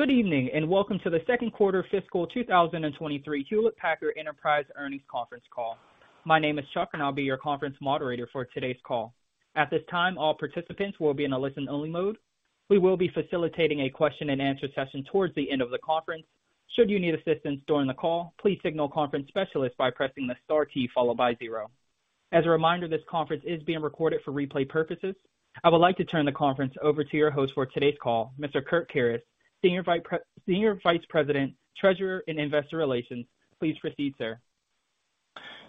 Good evening, welcome to the second quarter fiscal 2023 Hewlett Packard Enterprise earnings conference call. My name is Chuck, and I'll be your conference moderator for today's call. At this time, all participants will be in a listen-only mode. We will be facilitating a question-and-answer session towards the end of the conference. Should you need assistance during the call, please signal the conference specialist by pressing the star key followed by zero. As a reminder, this conference is being recorded for replay purposes. I would like to turn the conference over to your host for today's call, Mr. Kirt Karros, Senior Vice President, Treasurer, and Investor Relations. Please proceed, sir.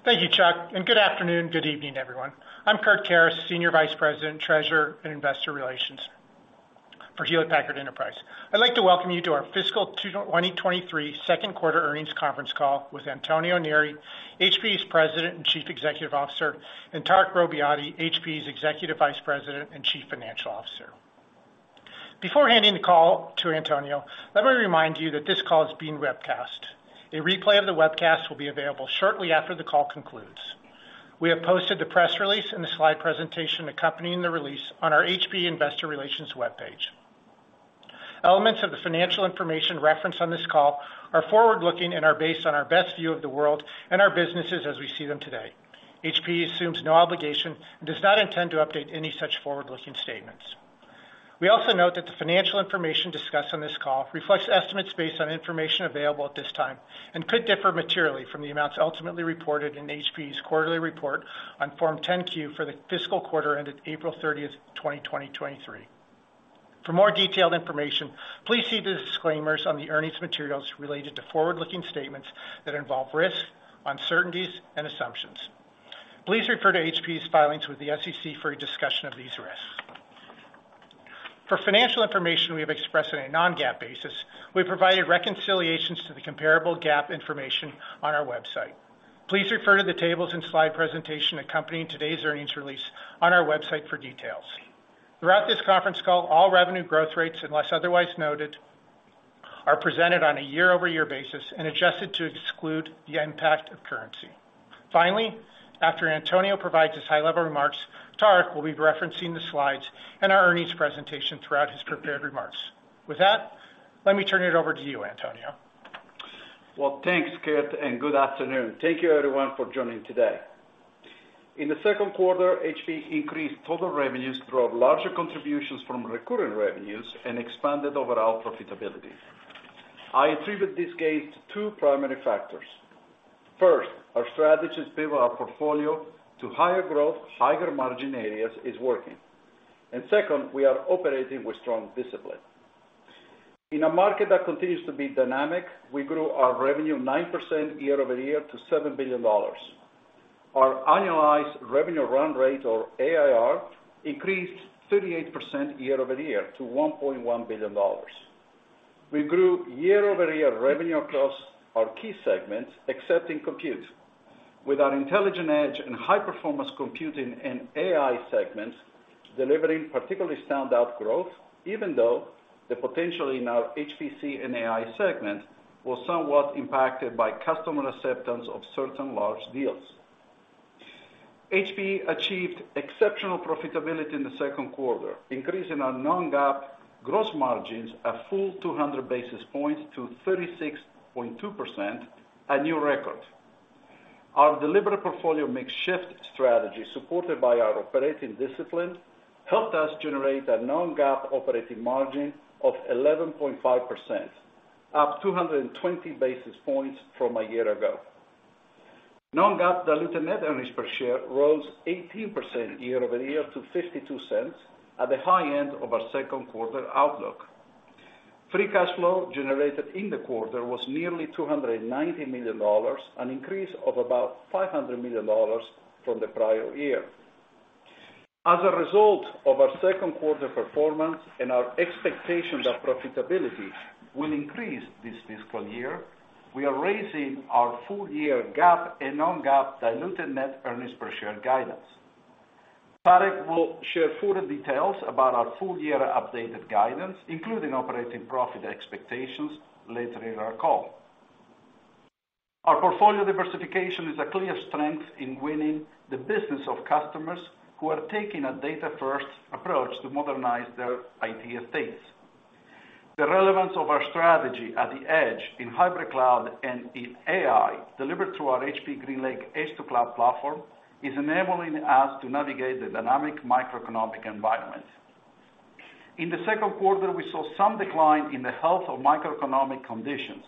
Thank you, Chuck. Good afternoon. Good evening, everyone. I'm Kirt Karros, Senior Vice President, Treasurer, and Investor Relations for Hewlett Packard Enterprise. I'd like to welcome you to our fiscal 2023 second quarter earnings conference call with Antonio Neri, HPE's President and Chief Executive Officer, and Tarek Robbiati, HPE's Executive Vice President and Chief Financial Officer. Before handing the call to Antonio, let me remind you that this call is being webcast. A replay of the webcast will be available shortly after the call concludes. We have posted the press release and the slide presentation accompanying the release on our HPE Investor Relations webpage. Elements of the financial information referenced on this call are forward-looking and are based on our best view of the world and our businesses as we see them today. HPE assumes no obligation and does not intend to update any such forward-looking statements. We also note that the financial information discussed on this call reflects estimates based on information available at this time and could differ materially from the amounts ultimately reported in HPE's quarterly report on Form 10-Q for the fiscal quarter ended April 30th, 2023. For more detailed information, please see the disclaimers on the earnings materials related to forward-looking statements that involve risks, uncertainties, and assumptions. Please refer to HPE's filings with the SEC for a discussion of these risks. For financial information we have expressed on a non-GAAP basis, we provided reconciliations to the comparable GAAP information on our website. Please refer to the tables and slide presentation accompanying today's earnings release on our website for details. Throughout this conference call, all revenue growth rates, unless otherwise noted, are presented on a year-over-year basis and adjusted to exclude the impact of currency. After Antonio provides his high-level remarks, Tarek will be referencing the slides and our earnings presentation throughout his prepared remarks. Let me turn it over to you, Antonio. Well, thanks, Kirt, and good afternoon. Thank you, everyone, for joining today. In the second quarter, HPE increased total revenues through larger contributions from recurring revenues and expanded overall profitability. I attribute this gain to two primary factors. First, our strategy to pivot our portfolio to higher growth, higher margin areas is working. Second, we are operating with strong discipline. In a market that continues to be dynamic, we grew our revenue 9% year-over-year to $7 billion. Our annualized revenue run rate, or ARR, increased 38% year-over-year to $1.1 billion. We grew year-over-year revenue across our key segments, except in Compute, with our Intelligent Edge and high-performance computing and AI segments delivering particularly standout growth, even though the potential in our HPC & AI segments was somewhat impacted by customer acceptance of certain large deals. HPE achieved exceptional profitability in the second quarter, increasing our non-GAAP gross margins a full 200 basis points to 36.2%, a new record. Our deliberate portfolio mix shift strategy, supported by our operating discipline, helped us generate a non-GAAP operating margin of 11.5%, up 220 basis points from a year ago. Non-GAAP diluted net earnings per share rose 18% year-over-year to $0.52, at the high end of our second quarter outlook. Free cash flow generated in the quarter was nearly $290 million, an increase of about $500 million from the prior year. As a result of our second quarter performance and our expectations of profitability will increase this fiscal year, we are raising our full-year GAAP and non-GAAP diluted net earnings per share guidance. Tarek will share further details about our full-year updated guidance, including operating profit expectations, later in our call. Our portfolio diversification is a clear strength in winning the business of customers who are taking a data-first approach to modernize their IT estates. The relevance of our strategy at the edge in hybrid cloud and in AI, delivered through our HPE GreenLake edge-to-cloud platform, is enabling us to navigate the dynamic microeconomic environment. In the second quarter, we saw some decline in the health of macroeconomic conditions,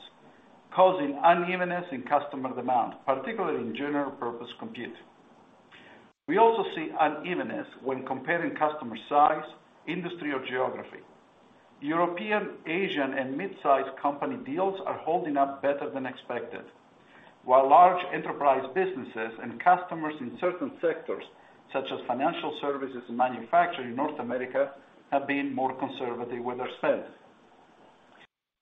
causing unevenness in customer demand, particularly in general purpose compute. We also see unevenness when comparing customer size, industry, or geography. European, Asian, and mid-sized company deals are holding up better than expected, while large enterprise businesses and customers in certain sectors, such as financial services and manufacturing in North America, have been more conservative with their spends.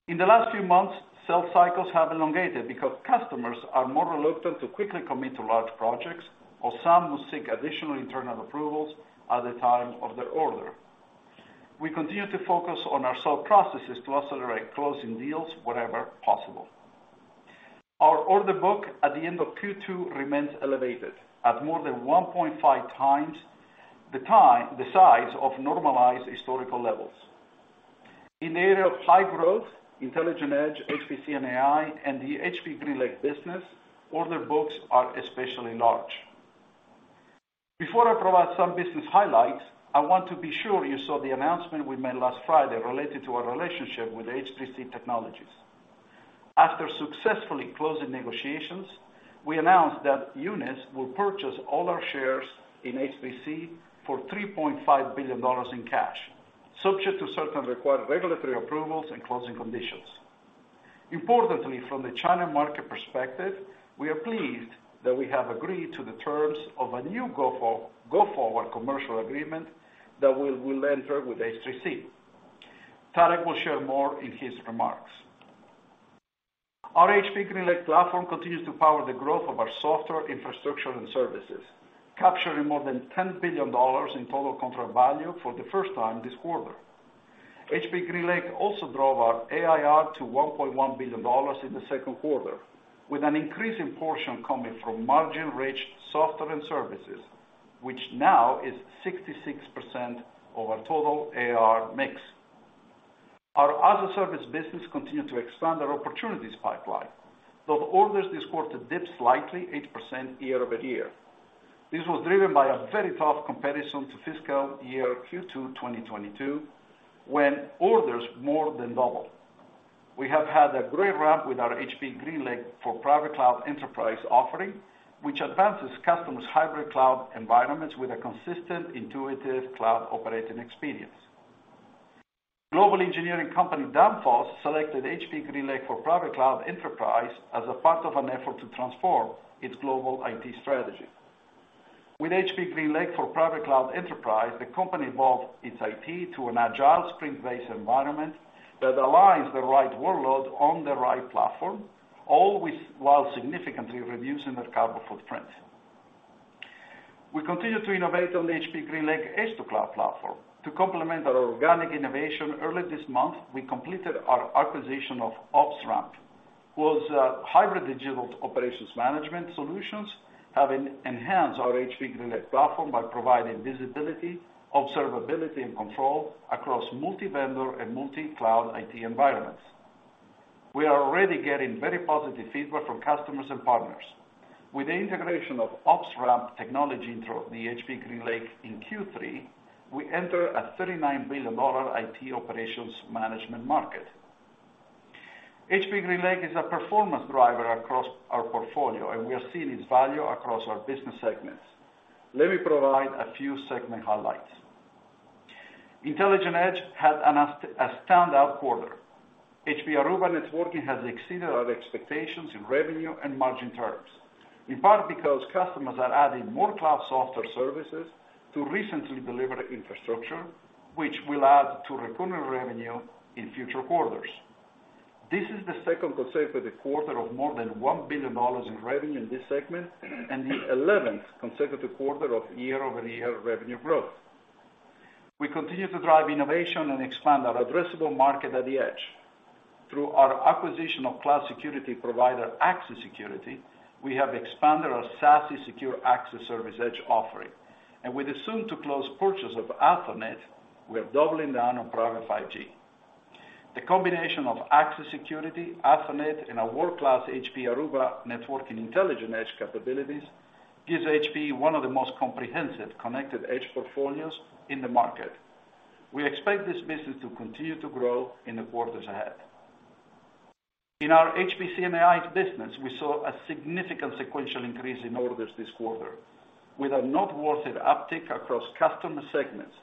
In the last few months, sales cycles have elongated because customers are more reluctant to quickly commit to large projects, or some must seek additional internal approvals at the time of their order. We continue to focus on our sales processes to accelerate closing deals wherever possible. Our order book at the end of Q2 remains elevated, at more than 1.5x the size of normalized historical levels. In the area of high growth, Intelligent Edge, HPC & AI, and the HPE GreenLake business, order books are especially large. Before I provide some business highlights, I want to be sure you saw the announcement we made last Friday related to our relationship with H3C Technologies. After successfully closing negotiations, we announced that UNIS will purchase all our shares in H3C for $3.5 billion in cash, subject to certain required regulatory approvals and closing conditions. Importantly, from the China market perspective, we are pleased that we have agreed to the terms of a new go-forward commercial agreement that we'll enter with H3C. Tarek will share more in his remarks. Our HPE GreenLake platform continues to power the growth of our software, infrastructure, and services, capturing more than $10 billion in total contract value for the first time this quarter. HPE GreenLake also drove our ARR to $1.1 billion in the second quarter, with an increase in portion coming from margin-rich software and services, which now is 66% of our total ARR mix. Our as-a-service business continued to expand our opportunities pipeline, though the orders this quarter dipped slightly, 8% year-over-year. This was driven by a very tough comparison to fiscal year Q2 2022, when orders more than doubled. We have had a great run with our HPE GreenLake for Private Cloud Enterprise offering, which advances customers' hybrid cloud environments with a consistent, intuitive cloud operating experience. Global engineering company, Danfoss, selected HPE GreenLake for Private Cloud Enterprise as a part of an effort to transform its global IT strategy. With HPE GreenLake for Private Cloud Enterprise, the company evolved its IT to an agile, sprint-based environment that aligns the right workload on the right platform, while significantly reducing its carbon footprint. We continue to innovate on the HPE GreenLake edge-to-cloud platform. To complement our organic innovation, early this month, we completed our acquisition of OpsRamp, whose hybrid digital operations management solutions have enhanced our HPE GreenLake platform by providing visibility, observability, and control across multi-vendor and multi-cloud IT environments. We are already getting very positive feedback from customers and partners. With the integration of OpsRamp technology into the HPE GreenLake in Q3, we enter a $39 billion IT operations management market. HPE GreenLake is a performance driver across our portfolio, and we are seeing its value across our business segments. Let me provide a few segment highlights. Intelligent Edge had a standout quarter. HPE Aruba Networking has exceeded our expectations in revenue and margin terms, in part because customers are adding more cloud software services to recently delivered infrastructure, which will add to recurring revenue in future quarters. This is the second consecutive quarter of more than $1 billion in revenue in this segment. The 11th consecutive quarter of year-over-year revenue growth. We continue to drive innovation and expand our addressable market at the edge. Through our acquisition of cloud security provider, Axis Security, we have expanded our SASE secure access service edge offering. With the soon-to-close purchase of Athonet, we are doubling down on private 5G. The combination of Axis Security, Athonet, and our world-class HPE Aruba Networking Intelligent Edge capabilities gives HPE one of the most comprehensive connected edge portfolios in the market. We expect this business to continue to grow in the quarters ahead. In our HPC & AI business, we saw a significant sequential increase in orders this quarter, with a noteworthy uptick across customer segments,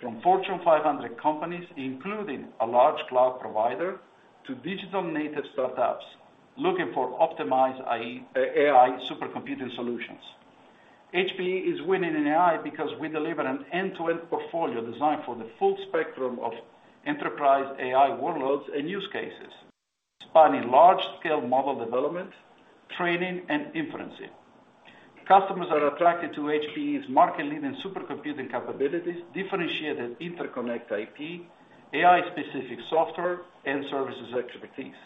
from Fortune 500 companies, including a large cloud provider, to digital-native startups looking for optimized AI supercomputing solutions. HPE is winning in AI because we deliver an end-to-end portfolio designed for the full spectrum of enterprise AI workloads and use cases, spanning large-scale model development, training, and inferencing. Customers are attracted to HPE's market-leading supercomputing capabilities, differentiated interconnect IP, AI-specific software, and services expertise.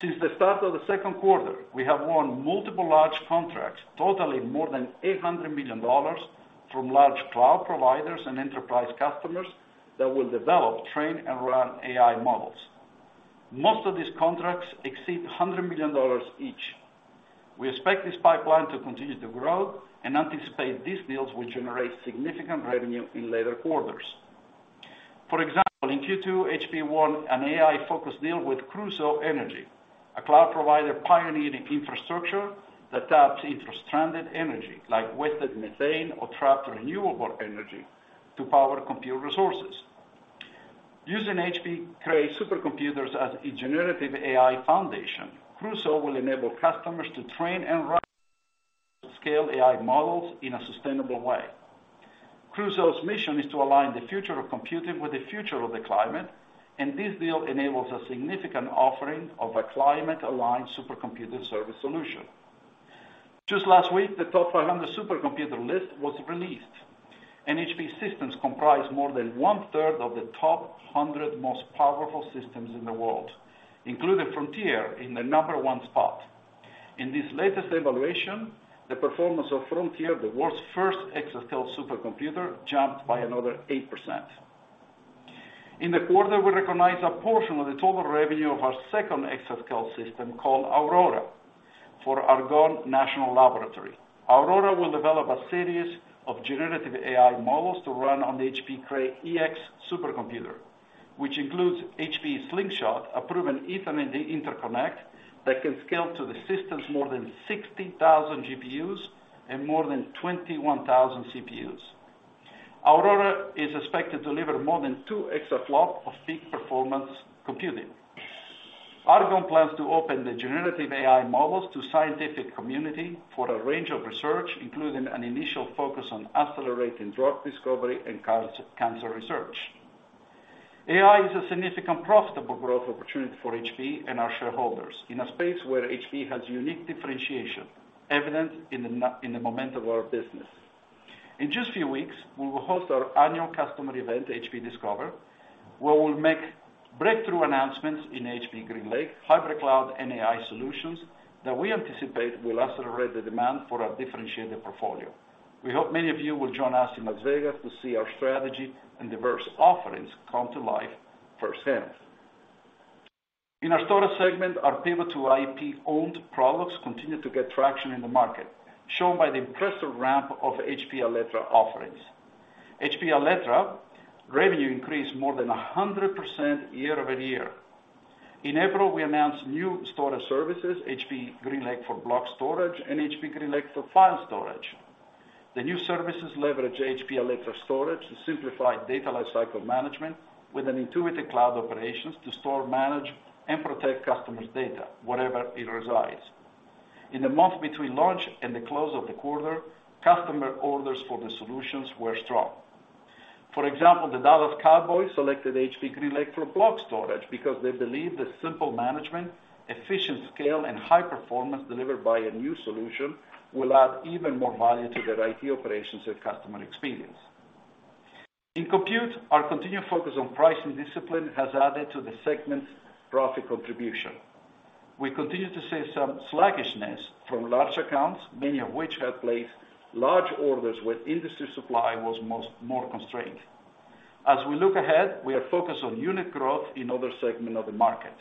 Since the start of the second quarter, we have won multiple large contracts, totaling more than $800 million from large cloud providers and enterprise customers that will develop, train, and run AI models. Most of these contracts exceed $100 million each. We expect this pipeline to continue to grow and anticipate that these deals will generate significant revenue in later quarters. For example, in Q2, HPE won an AI-focused deal with Crusoe Energy, a cloud provider pioneering infrastructure that taps into stranded energy, like wasted methane or trapped renewable energy, to power computer resources. Using HPE Cray supercomputers as a generative AI foundation, Crusoe will enable customers to train and run scale AI models in a sustainable way. Crusoe's mission is to align the future of computing with the future of the climate, and this deal enables a significant offering of a climate-aligned supercomputer service solution. Just last week, the TOP500 supercomputer list was released, and HPE systems comprise more than 1/3 of the top 100 most powerful systems in the world, including Frontier in the number one spot. In this latest evaluation, the performance of Frontier, the world's first exascale supercomputer, jumped by another 8%. In the quarter, we recognized a portion of the total revenue of our second exascale system, called Aurora, for Argonne National Laboratory. Aurora will develop a series of generative AI models to run on the HPE Cray EX supercomputer, which includes HPE Slingshot, a proven Ethernet interconnect that can scale to the system's more than 60,000 GPUs and more than 21,000 CPUs. Aurora is expected to deliver more than two exaflops of peak performance computing. Argonne plans to open the generative AI models to the scientific community for a range of research, including an initial focus on accelerating drug discovery and cancer research. AI is a significant, profitable growth opportunity for HPE and our shareholders, in a space where HPE has unique differentiation, evident in the momentum of our business. In just a few weeks, we will host our annual customer event, HPE Discover, where we'll make breakthrough announcements in HPE GreenLake, hybrid cloud, and AI solutions that we anticipate will accelerate the demand for our differentiated portfolio. We hope many of you will join us in Las Vegas to see our strategy and diverse offerings come to life firsthand. In our storage segment, our pivot to IP-owned products continued to get traction in the market, shown by the impressive ramp of HPE Alletra offerings. HPE Alletra revenue increased more than 100% year-over-year. In April, we announced new storage services, HPE GreenLake for Block Storage and HPE GreenLake for File Storage. The new services leverage HPE Alletra Storage to simplify data lifecycle management, with intuitive cloud operations to store, manage, and protect customers' data, wherever it resides. In the month between launch and the close of the quarter, customer orders for the solutions were strong. For example, the Dallas Cowboys selected HPE GreenLake for Block Storage because they believe the simple management, efficient scale, and high performance delivered by a new solution will add even more value to their IT operations and customer experience. In Compute, our continued focus on pricing discipline has added to the segment's profit contribution. We continue to see some sluggishness from large accounts, many of which have placed large orders when industry supply was more constrained. As we look ahead, we are focused on unit growth in other segments of the market.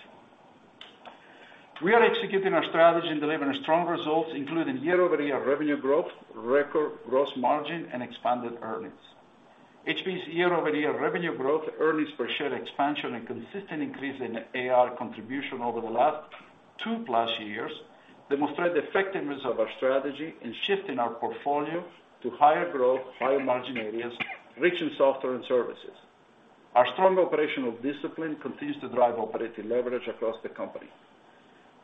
We are executing our strategy and delivering strong results, including year-over-year revenue growth, record gross margin, and expanded earnings. HPE's year-over-year revenue growth, earnings per share expansion, and consistent increase in ARR contribution over the last two-plus years demonstrate the effectiveness of our strategy in shifting our portfolio to higher growth, higher margin areas, rich in software and services. Our strong operational discipline continues to drive operating leverage across the company.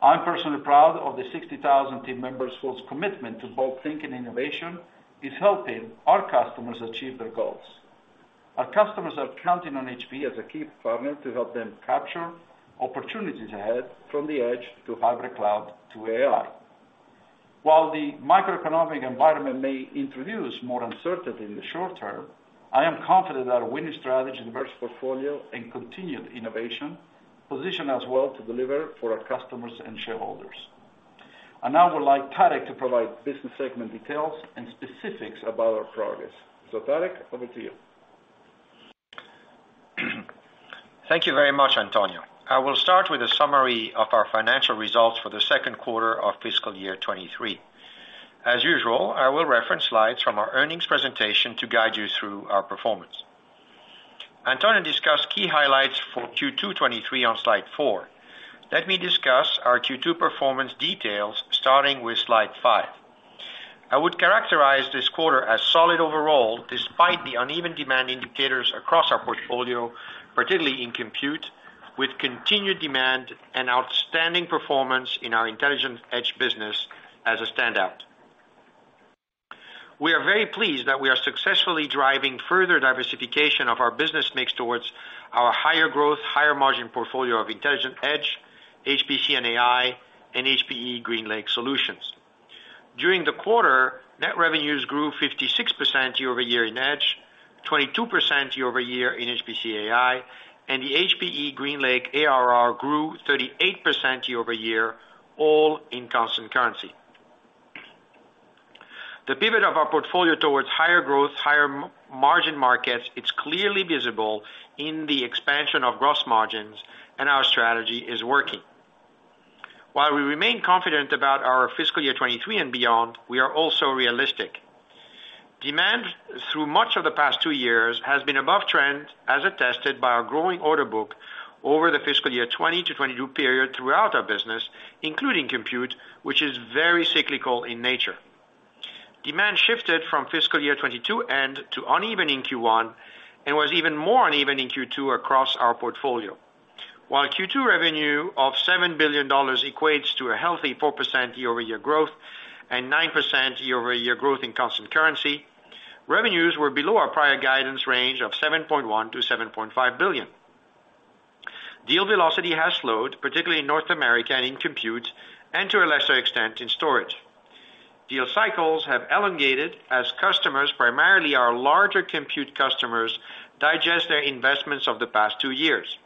I'm personally proud of the 60,000 team members whose commitment to bold thinking and innovation is helping our customers achieve their goals. Our customers are counting on HPE as a key partner to help them capture opportunities ahead, from the edge to hybrid cloud to AI. While the macroeconomic environment may introduce more uncertainty in the short term, I am confident that our winning strategy and diverse portfolio and continued innovation position us well to deliver for our customers and shareholders. Now I would like Tarek to provide business segment details and specifics about our progress. Tarek, over to you. Thank you very much, Antonio. I will start with a summary of our financial results for the second quarter of fiscal year 2023. As usual, I will reference slides from our earnings presentation to guide you through our performance. Antonio discussed key highlights for Q2 2023 on slide four. Let me discuss our Q2 performance details, starting with slide five. I would characterize this quarter as solid overall, despite the uneven demand indicators across our portfolio, particularly in Compute, with continued demand and outstanding performance in our Intelligent Edge business as a standout. We are very pleased that we are successfully driving further diversification of our business mix towards our higher growth, higher margin portfolio of Intelligent Edge, HPC & AI, and HPE GreenLake solutions. During the quarter, net revenues grew 56% year-over-year in Edge, 22% year-over-year in HPC & AI, and the HPE GreenLake ARR grew 38% year-over-year, all in constant currency. The pivot of our portfolio towards higher growth, higher margin markets is clearly visible in the expansion of gross margins, and our strategy is working. While we remain confident about our fiscal year 2023 and beyond, we are also realistic. Demand, through much of the past two years, has been above trend, as attested by our growing order book over the fiscal year 2020 to 2022 period throughout our business, including Compute, which is very cyclical in nature. Demand shifted from the fiscal year 2022 end to uneven in Q1, and was even more uneven in Q2 across our portfolio. Q2 revenue of $7 billion equates to a healthy 4% year-over-year growth and 9% year-over-year growth in constant currency. Revenues were below our prior guidance range of $7.1 billion-$7.5 billion. Deal velocity has slowed, particularly in North America and in compute, and to a lesser extent, in storage. Deal cycles have elongated as customers, primarily our larger compute customers, digest their investments of the past two years.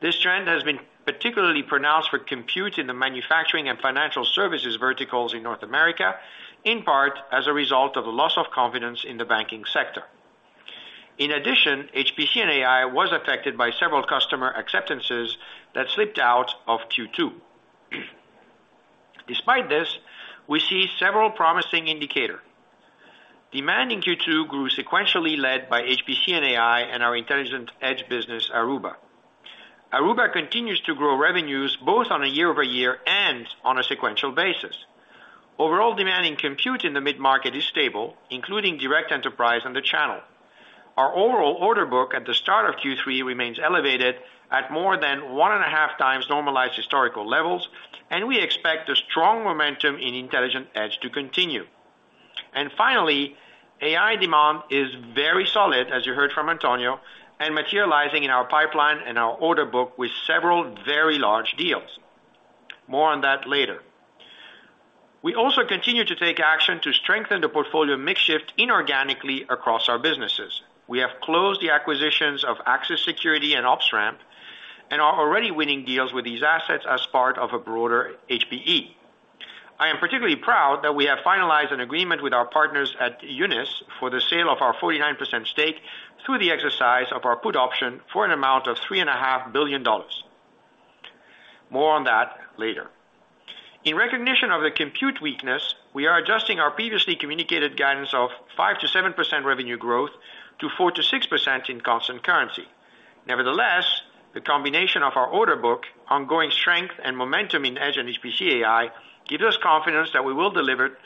This trend has been particularly pronounced for computing in the manufacturing and financial services verticals in North America, in part, as a result of a loss of confidence in the banking sector. HPC & AI were affected by several customer acceptances that slipped out of Q2. Despite this, we see several promising indicators. Demand in Q2 grew sequentially, led by HPC & AI and our Intelligent Edge business, Aruba. Aruba continues to grow revenues, both on a year-over-year and on a sequential basis. Overall demand in compute in the mid-market is stable, including direct enterprise and the channel. Our overall order book at the start of Q3 remains elevated at more than 1.5 times normalized historical levels. We expect a strong momentum in Intelligent Edge to continue. Finally, AI demand is very solid, as you heard from Antonio, materializing in our pipeline and our order book with several very large deals. More on that later. We also continue to take action to strengthen the portfolio mix shift inorganically across our businesses. We have closed the acquisitions of Axis Security and OpsRamp, and are already winning deals with these assets as part of a broader HPE. I am particularly proud that we have finalized an agreement with our partners at UNIS for the sale of our 49% stake through the exercise of our put option for an amount of three and a half billion dollars. More on that later. In recognition of the compute weakness, we are adjusting our previously communicated guidance of 5%-7% revenue growth to 4%-6% in constant currency. Nevertheless, the combination of our order book, ongoing strength and momentum in Edge and HPC & AI, gives us confidence that we will deliver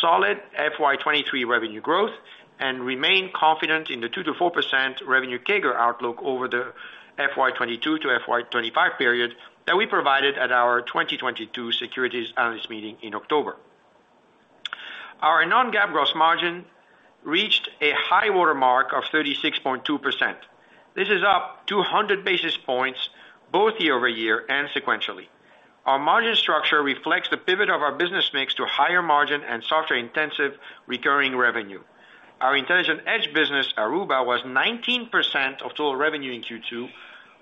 solid FY 2023 revenue growth and remain confident in the 2%-4% revenue CAGR outlook over the FY 2022-FY 2025 period that we provided at our 2022 securities analyst meeting in October. Our non-GAAP gross margin reached a high-water mark of 36.2%. This is up 200 basis points, both year-over-year and sequentially. Our margin structure reflects the pivot of our business mix to a higher margin and software-intensive recurring revenue. Our Intelligent Edge business, Aruba, was 19% of total revenue in Q2,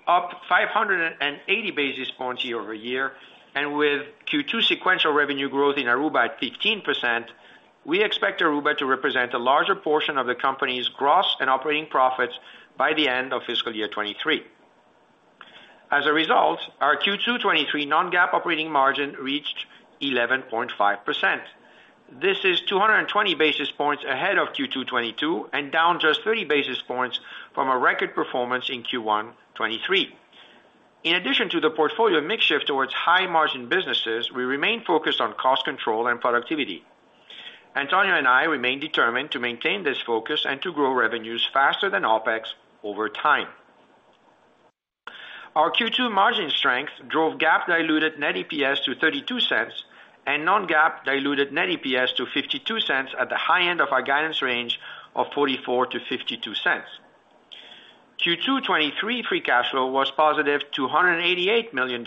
up 580 basis points year-over-year, and with Q2 sequential revenue growth in Aruba at 15%, we expect Aruba to represent a larger portion of the company's gross and operating profits by the end of fiscal year 2023. As a result, our Q2 2023 non-GAAP operating margin reached 11.5%. This is 220 basis points ahead of Q2 2022, and down just 30 basis points from a record performance in Q1 2023. In addition to the portfolio mix shift towards high-margin businesses, we remain focused on cost control and productivity. Antonio and I remain determined to maintain this focus and to grow revenues faster than OpEx over time. Our Q2 margin strength drove GAAP diluted net EPS to $0.32 and non-GAAP diluted net EPS to $0.52 at the high end of our guidance range of $0.44-$0.52. Q2 2023 free cash flow was positive, $288 million,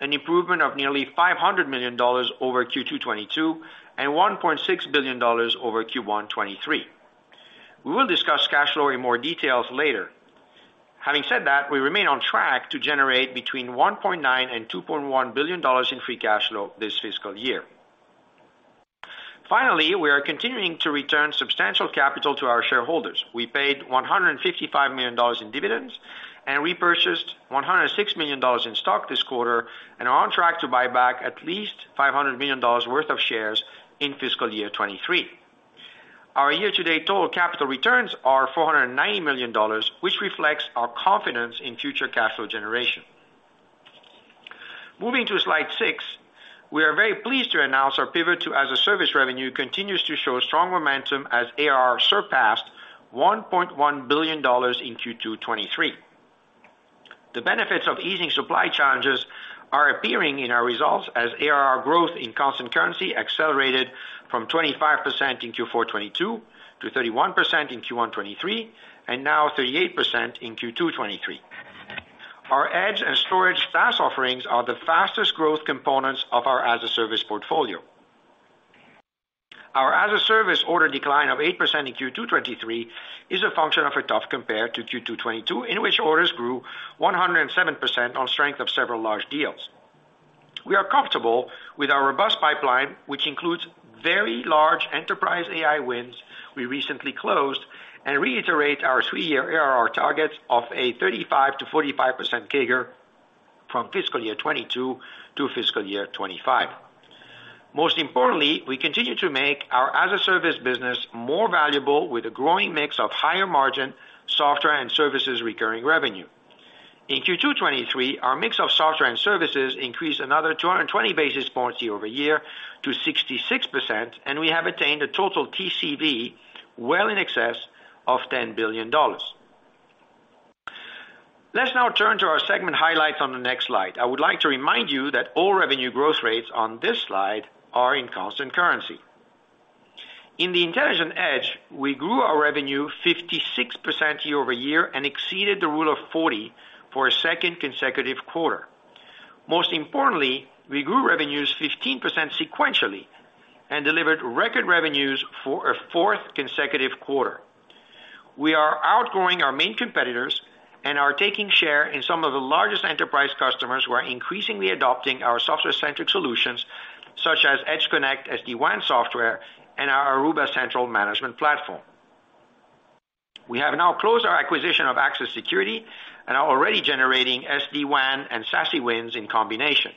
an improvement of nearly $500 million over Q2 2022, and $1.6 billion over Q1 2023. We will discuss cash flow in more detail later. Having said that, we remain on track to generate between $1.9 billion and $2.1 billion in free cash flow this fiscal year. We are continuing to return substantial capital to our shareholders. We paid $155 million in dividends and repurchased $106 million in stock this quarter, and are on track to buy back at least $500 million worth of shares in fiscal year 2023. Our year-to-date total capital returns are $490 million, which reflects our confidence in future cash flow generation. Moving to slide 6, we are very pleased to announce our pivot to as-a-service revenue continues to show strong momentum, as ARR surpassed $1.1 billion in Q2 2023. The benefits of easing supply challenges are appearing in our results as ARR growth in constant currency accelerated from 25% in Q4 2022 to 31% in Q1 2023, and now 38% in Q2 2023. Our edge and storage SaaS offerings are the fastest growth components of our as-a-service portfolio. Our as-a-service order decline of 8% in Q2 2023 is a function of a tough compare to Q2 2022, in which orders grew 107% on the strength of several large deals. We are comfortable with our robust pipeline, which includes very large enterprise AI wins we recently closed, and reiterate our three-year ARR targets of a 35%-45% CAGR from fiscal year 2022 to fiscal year 2025. Most importantly, we continue to make our as-a-service business more valuable with a growing mix of higher margin software and services recurring revenue. In Q2 2023, our mix of software and services increased another 220 basis points year-over-year to 66%, and we have attained a total TCV well in excess of $10 billion. Let's now turn to our segment highlights on the next slide. I would like to remind you that all revenue growth rates on this slide are in constant currency. In the Intelligent Edge, we grew our revenue 56% year-over-year and exceeded the Rule of 40 for a second consecutive quarter. Most importantly, we grew revenues 15% sequentially and delivered record revenues for a fourth consecutive quarter. We are outgrowing our main competitors and are taking share in some of the largest enterprise customers who are increasingly adopting our software-centric solutions, such as EdgeConnect, SD-WAN software, and our Aruba Central Management platform. We have now closed our acquisition of Axis Security and are already generating SD-WAN and SASE wins in combination.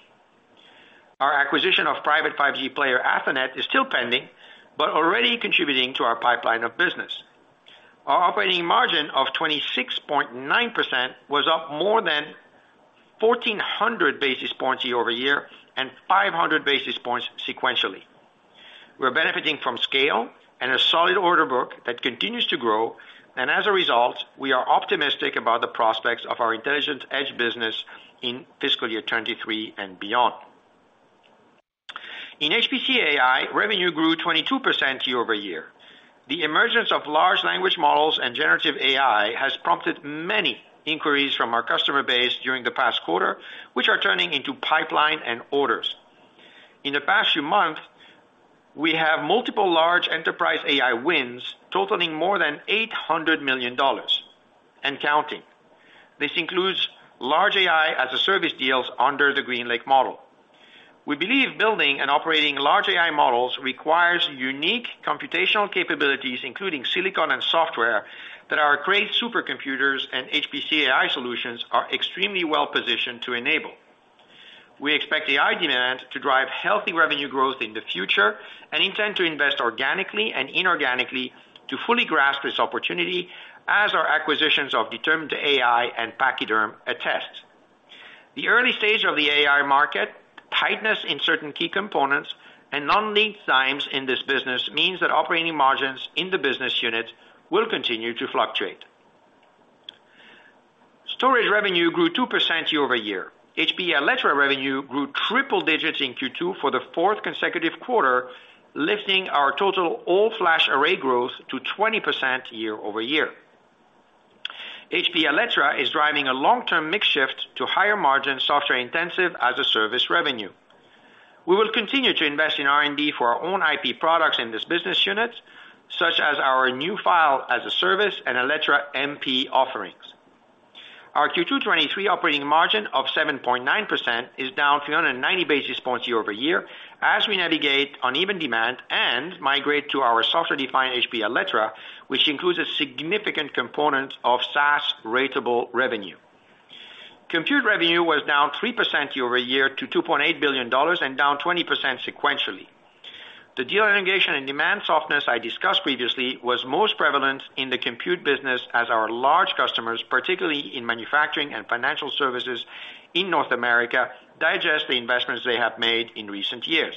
Our acquisition of private 5G player Athonet is still pending, but already contributing to our pipeline of business. Our operating margin of 26.9% was up more than 1,400 basis points year-over-year and 500 basis points sequentially. We're benefiting from scale and a solid order book that continues to grow. As a result, we are optimistic about the prospects of our Intelligent Edge business in fiscal year 2023 and beyond. In HPC & AI, revenue grew 22% year-over-year. The emergence of large language models and generative AI has prompted many inquiries from our customer base during the past quarter, which are turning into pipeline and orders. In the past few months, we have multiple large enterprise AI wins, totaling more than $800 million and counting. This includes large AI-as-a-service deals under the GreenLake model. We believe building and operating large AI models requires unique computational capabilities, including silicon and software, that our great supercomputers and HPC & AI solutions are extremely well-positioned to enable. We expect AI demand to drive healthy revenue growth in the future, and intend to invest organically and inorganically to fully grasp this opportunity, as our acquisitions of Determined AI and Pachyderm attest. The early stage of the AI market, tightness in certain key components, and long lead times in this business mean that operating margins in the business unit will continue to fluctuate. Storage revenue grew 2% year-over-year. HPE Alletra revenue grew triple digits in Q2 for the fourth consecutive quarter, lifting our total all-flash array growth to 20% year-over-year. HPE Alletra is driving a long-term mix shift to higher margin, software-intensive, as-a-service revenue. We will continue to invest in R&D for our own IP products in this business unit, such as our new file-as-a-service and Alletra MP offerings. Our Q2 2023 operating margin of 7.9% is down 390 basis points year-over-year, as we navigate uneven demand and migrate to our software-defined HPE Alletra, which includes a significant component of SaaS ratable revenue. Compute revenue was down 3% year-over-year to $2.8 billion and down 20% sequentially. The deal navigation and demand softness I discussed previously were most prevalent in the compute business as our large customers, particularly in manufacturing and financial services in North America, digest the investments they have made in recent years.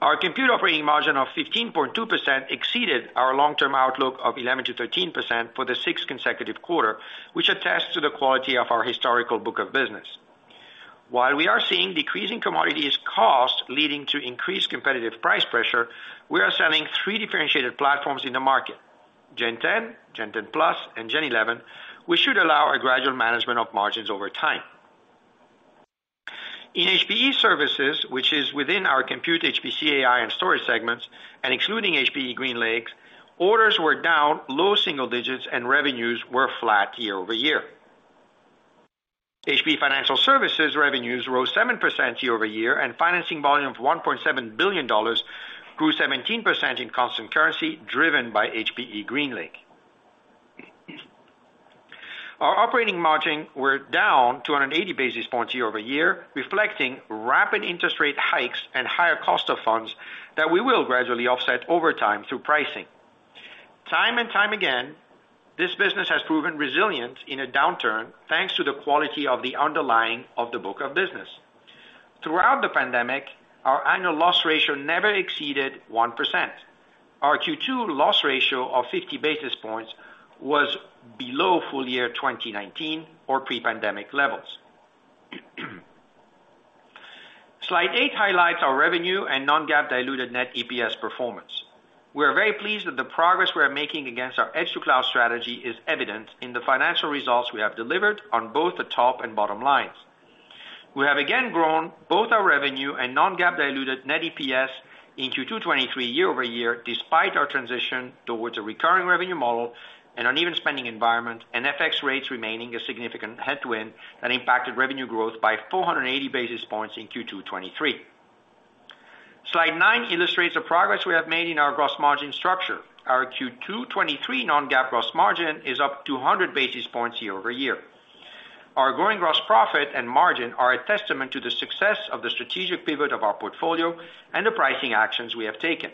Our Compute operating margin of 15.2% exceeded our long-term outlook of 11%-13% for the sixth consecutive quarter, which attests to the quality of our historical book of business. While we are seeing decreasing commodity costs leading to increased competitive price pressure, we are selling three differentiated platforms in the market, Gen10 Plus and Gen11, which should allow a gradual management of margins over time. In HPE Services, which is within our Compute, HPC & AI, and Storage segments, and excluding HPE GreenLake, orders were down low single digits and revenues were flat year-over-year. HPE Financial Services revenues rose 7% year-over-year, and financing volume of $1.7 billion grew 17% in constant currency, driven by HPE GreenLake. Our operating margin was down 280 basis points year-over-year, reflecting rapid interest rate hikes and higher cost of funds that we will gradually offset over time through pricing. Time and time again, this business has proven resilient in a downturn, thanks to the quality of the underlying book of business. Throughout the pandemic, our annual loss ratio never exceeded 1%. Our Q2 loss ratio of 50 basis points was below full-year 2019 or pre-pandemic levels. Slide eight highlights our revenue and non-GAAP diluted net EPS performance. We are very pleased that the progress we are making against our edge-to-cloud strategy is evident in the financial results we have delivered on both the top and bottom lines. We have again grown both our revenue and non-GAAP diluted net EPS in Q2 2023 year-over-year, despite our transition towards a recurring revenue model and uneven spending environment, and FX rates remaining a significant headwind that impacted revenue growth by 480 basis points in Q2 2023. Slide nine illustrates the progress we have made in our gross margin structure. Our Q2 2023 non-GAAP gross margin is up 200 basis points year-over-year. Our growing gross profit and margin are a testament to the success of the strategic pivot of our portfolio and the pricing actions we have taken.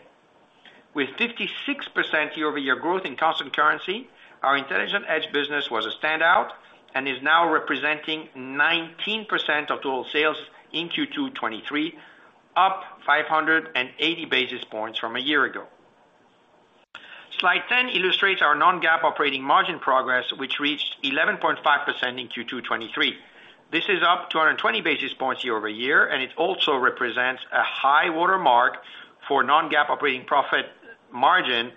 With 56% year-over-year growth in constant currency, our Intelligent Edge business was a standout and is now representing 19% of total sales in Q2 2023, up 580 basis points from a year ago. Slide 10 illustrates our non-GAAP operating margin progress, which reached 11.5% in Q2 2023. This is up 220 basis points year-over-year. It also represents a high water mark for non-GAAP operating profit margin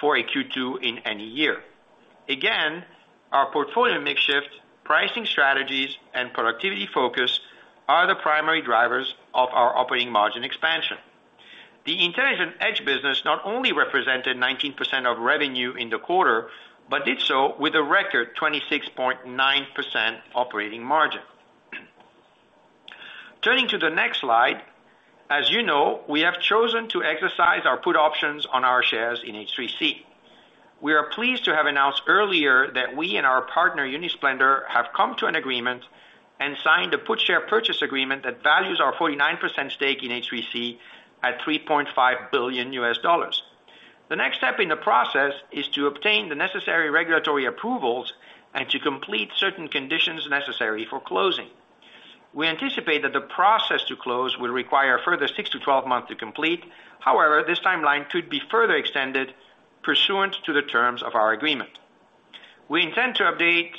for Q2 in any year. Again, our portfolio mix shift, pricing strategies, and productivity focus are the primary drivers of our operating margin expansion. The Intelligent Edge business not only represented 19% of revenue in the quarter, but did so with a record 26.9% operating margin. Turning to the next slide, as you know, we have chosen to exercise our put options on our shares in H3C. We are pleased to have announced earlier that we and our partner, Unisplendour, have come to an agreement and signed a put share purchase agreement that values our 49% stake in H3C at $3.5 billion. The next step in the process is to obtain the necessary regulatory approvals and to complete certain conditions necessary for closing. We anticipate that the process to close will require a further six to 12 months to complete. However, this timeline could be further extended pursuant to the terms of our agreement. We intend to update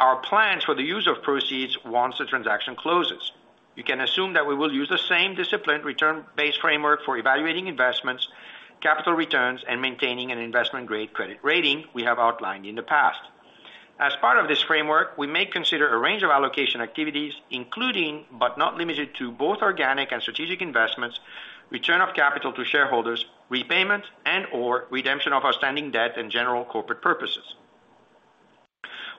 our plans for the use of proceeds once the transaction closes. You can assume that we will use the same disciplined return-based framework for evaluating investments, capital returns, and maintaining an investment-grade credit rating we have outlined in the past. As part of this framework, we may consider a range of allocation activities, including, but not limited to, both organic and strategic investments, return of capital to shareholders, repayment, and/or redemption of outstanding debt, and general corporate purposes.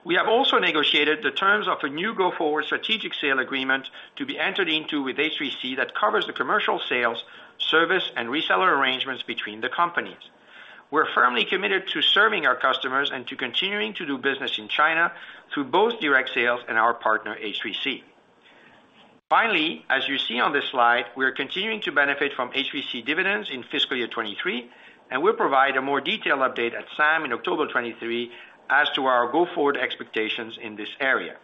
We have also negotiated the terms of a new go-forward strategic sale agreement to be entered into with H3C that covers the commercial sales, service, and reseller arrangements between the companies. We're firmly committed to serving our customers and to continuing to do business in China through both direct sales and our partner, H3C. Finally, as you see on this slide, we are continuing to benefit from H3C dividends in fiscal year 2023, and we'll provide a more detailed update at SAM on October 2023 as to our go-forward expectations in this area.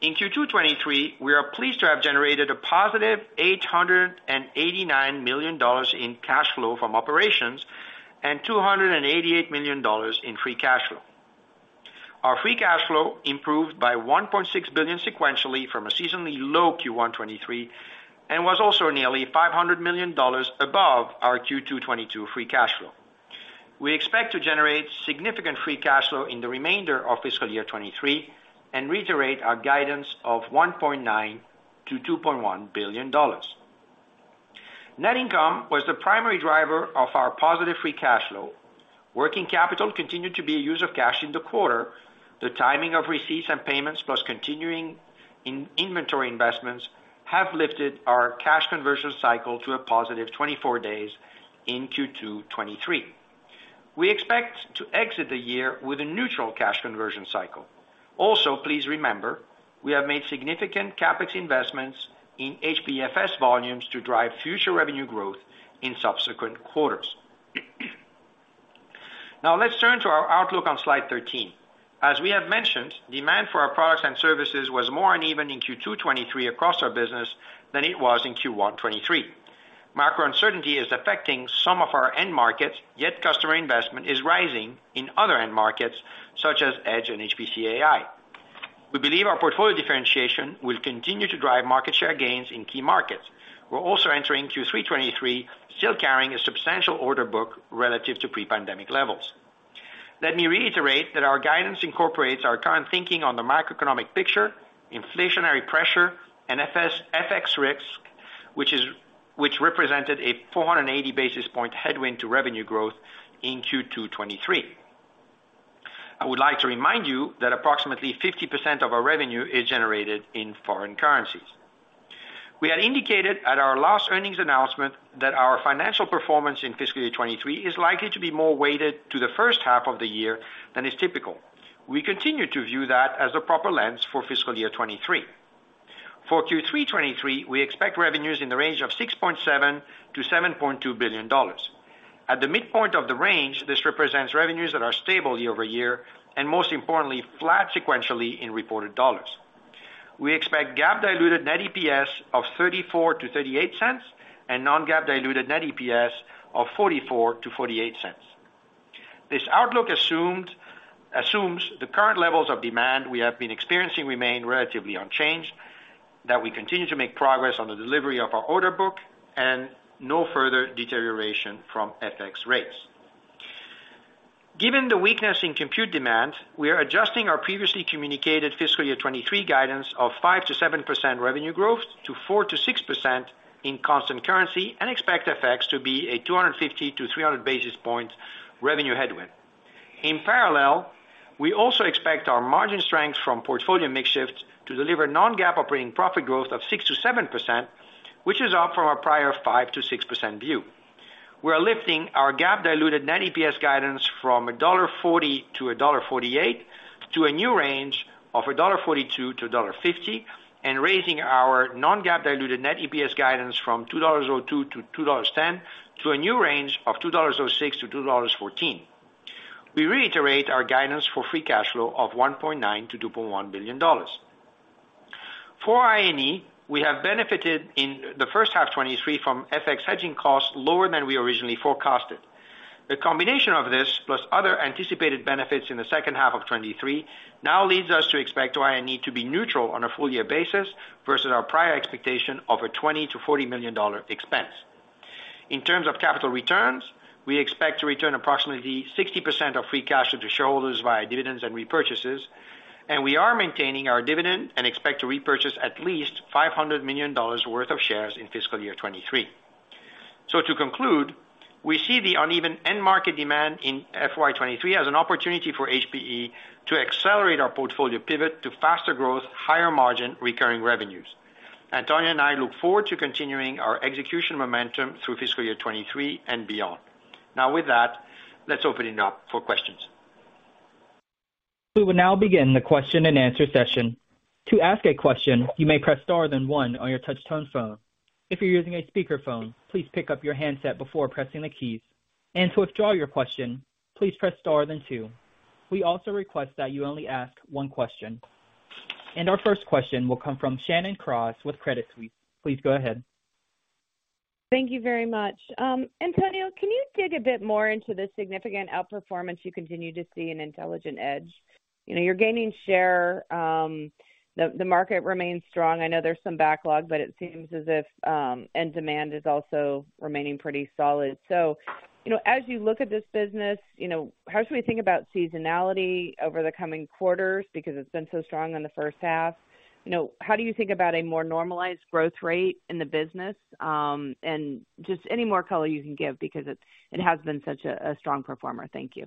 In Q2 2023, we are pleased to have generated a positive $889 million in cash flow from operations and $288 million in free cash flow. Our free cash flow improved by $1.6 billion sequentially from a seasonally low Q1 2023, and was also nearly $500 million above our Q2 2022 free cash flow. We expect to generate significant free cash flow in the remainder of fiscal year 2023 and reiterate our guidance of $1.9 billion-$2.1 billion. Net income was the primary driver of our positive free cash flow. Working capital continued to be a use of cash in the quarter. The timing of receipts and payments, plus continuing inventory investments, has lifted our cash conversion cycle to a positive 24 days in Q2 2023. We expect to exit the year with a neutral cash conversion cycle. Please remember, we have made significant CapEx investments in HPEFS volumes to drive future revenue growth in subsequent quarters. Let's turn to our outlook on slide 13. We have mentioned that demand for our products and services was more uneven in Q2 2023 across our business than it was in Q1 2023. Macro uncertainty is affecting some of our end markets, yet customer investment is rising in other end markets, such as Edge and HPC & AI. We believe our portfolio differentiation will continue to drive market share gains in key markets. We're also entering Q3 2023, still carrying a substantial order book relative to pre-pandemic levels. Let me reiterate that our guidance incorporates our current thinking on the macroeconomic picture, inflationary pressure, and HPEFS FX risk, which represented a 480 basis point headwind to revenue growth in Q2 2023. I would like to remind you that approximately 50% of our revenue is generated in foreign currencies. We had indicated at our last earnings announcement that our financial performance in fiscal year 2023 is likely to be more weighted to the first half of the year than is typical. We continue to view that as the proper lens for fiscal year 2023. For Q3 2023, we expect revenues in the range of $6.7 billion-$7.2 billion. At the midpoint of the range, this represents revenues that are stable year-over-year, and most importantly, flat sequentially in reported dollars. We expect GAAP diluted net EPS of $0.34-$0.38, and non-GAAP diluted net EPS of $0.44-$0.48. This outlook assumes the current levels of demand we have been experiencing remain relatively unchanged, that we continue to make progress on the delivery of our order book, and no further deterioration from FX rates. Given the weakness in compute demand, we are adjusting our previously communicated fiscal year 2023 guidance of 5%-7% revenue growth to 4%-6% in constant currency, and expect FX to be a 250-300 basis points revenue headwind. In parallel, we also expect our margin strength from portfolio mix shift to deliver non-GAAP operating profit growth of 6%-7%, which is up from our prior 5%-6% view. We are lifting our GAAP diluted net EPS guidance from $1.40-$1.48, to a new range of $1.42-$1.50. Raising our non-GAAP diluted net EPS guidance from $2.02-$2.10, to a new range of $2.06-$2.14. We reiterate our guidance for free cash flow of $1.9 billion-$2.1 billion. For NII, we have benefited in the first half of 2023 from FX hedging costs lower than we originally forecasted. The combination of this, plus other anticipated benefits in the second half of 2023, now leads us to expect NII to be neutral on a full-year basis versus our prior expectation of a $20 million-$40 million expense. In terms of capital returns, we expect to return approximately 60% of free cash to shareholders via dividends and repurchases, and we are maintaining our dividend and expect to repurchase at least $500 million worth of shares in fiscal year 2023. To conclude, we see the uneven end market demand in FY 2023 as an opportunity for HPE to accelerate our portfolio pivot to faster growth, higher margin, and recurring revenues. Antonio and I look forward to continuing our execution momentum through fiscal year 2023 and beyond. Now, with that, let's open it up for questions. We will now begin the question-and-answer session. To ask a question, you may press star, then one on your touch-tone phone. If you're using a speakerphone, please pick up your handset before pressing the keys. To withdraw your question, please press star then two. We also request that you only ask one question. Our first question will come from Shannon Cross with Credit Suisse. Please go ahead. Thank you very much. Antonio, can you dig a bit more into the significant outperformance you continue to see in Intelligent Edge? You know, you're gaining share, the market remains strong. I know there's some backlog, but it seems as if end demand is also remaining pretty solid. You know, as you look at this business, you know, how should we think about seasonality over the coming quarters, because it's been so strong in the first half. You know, how do you think about a more normalized growth rate in the business? And just any more color you can give, because it has been such a strong performer. Thank you.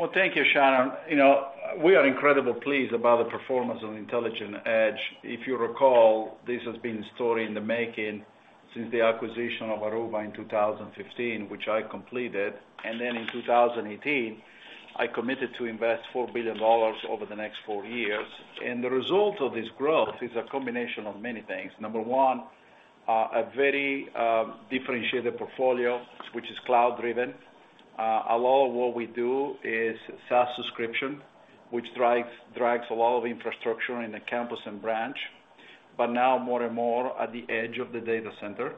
Well, thank you, Shannon. You know, we are incredibly pleased about the performance of Intelligent Edge. If you recall, this has been a story in the making since the acquisition of Aruba in 2015, which I completed, and then in 2018, I committed to investing $4 billion over the next four years. The result of this growth is a combination of many things. Number one, a very differentiated portfolio, which is cloud-driven. A lot of what we do is SaaS subscription, which drives a lot of infrastructure on the campus and branch, but now more and more at the edge of the data center.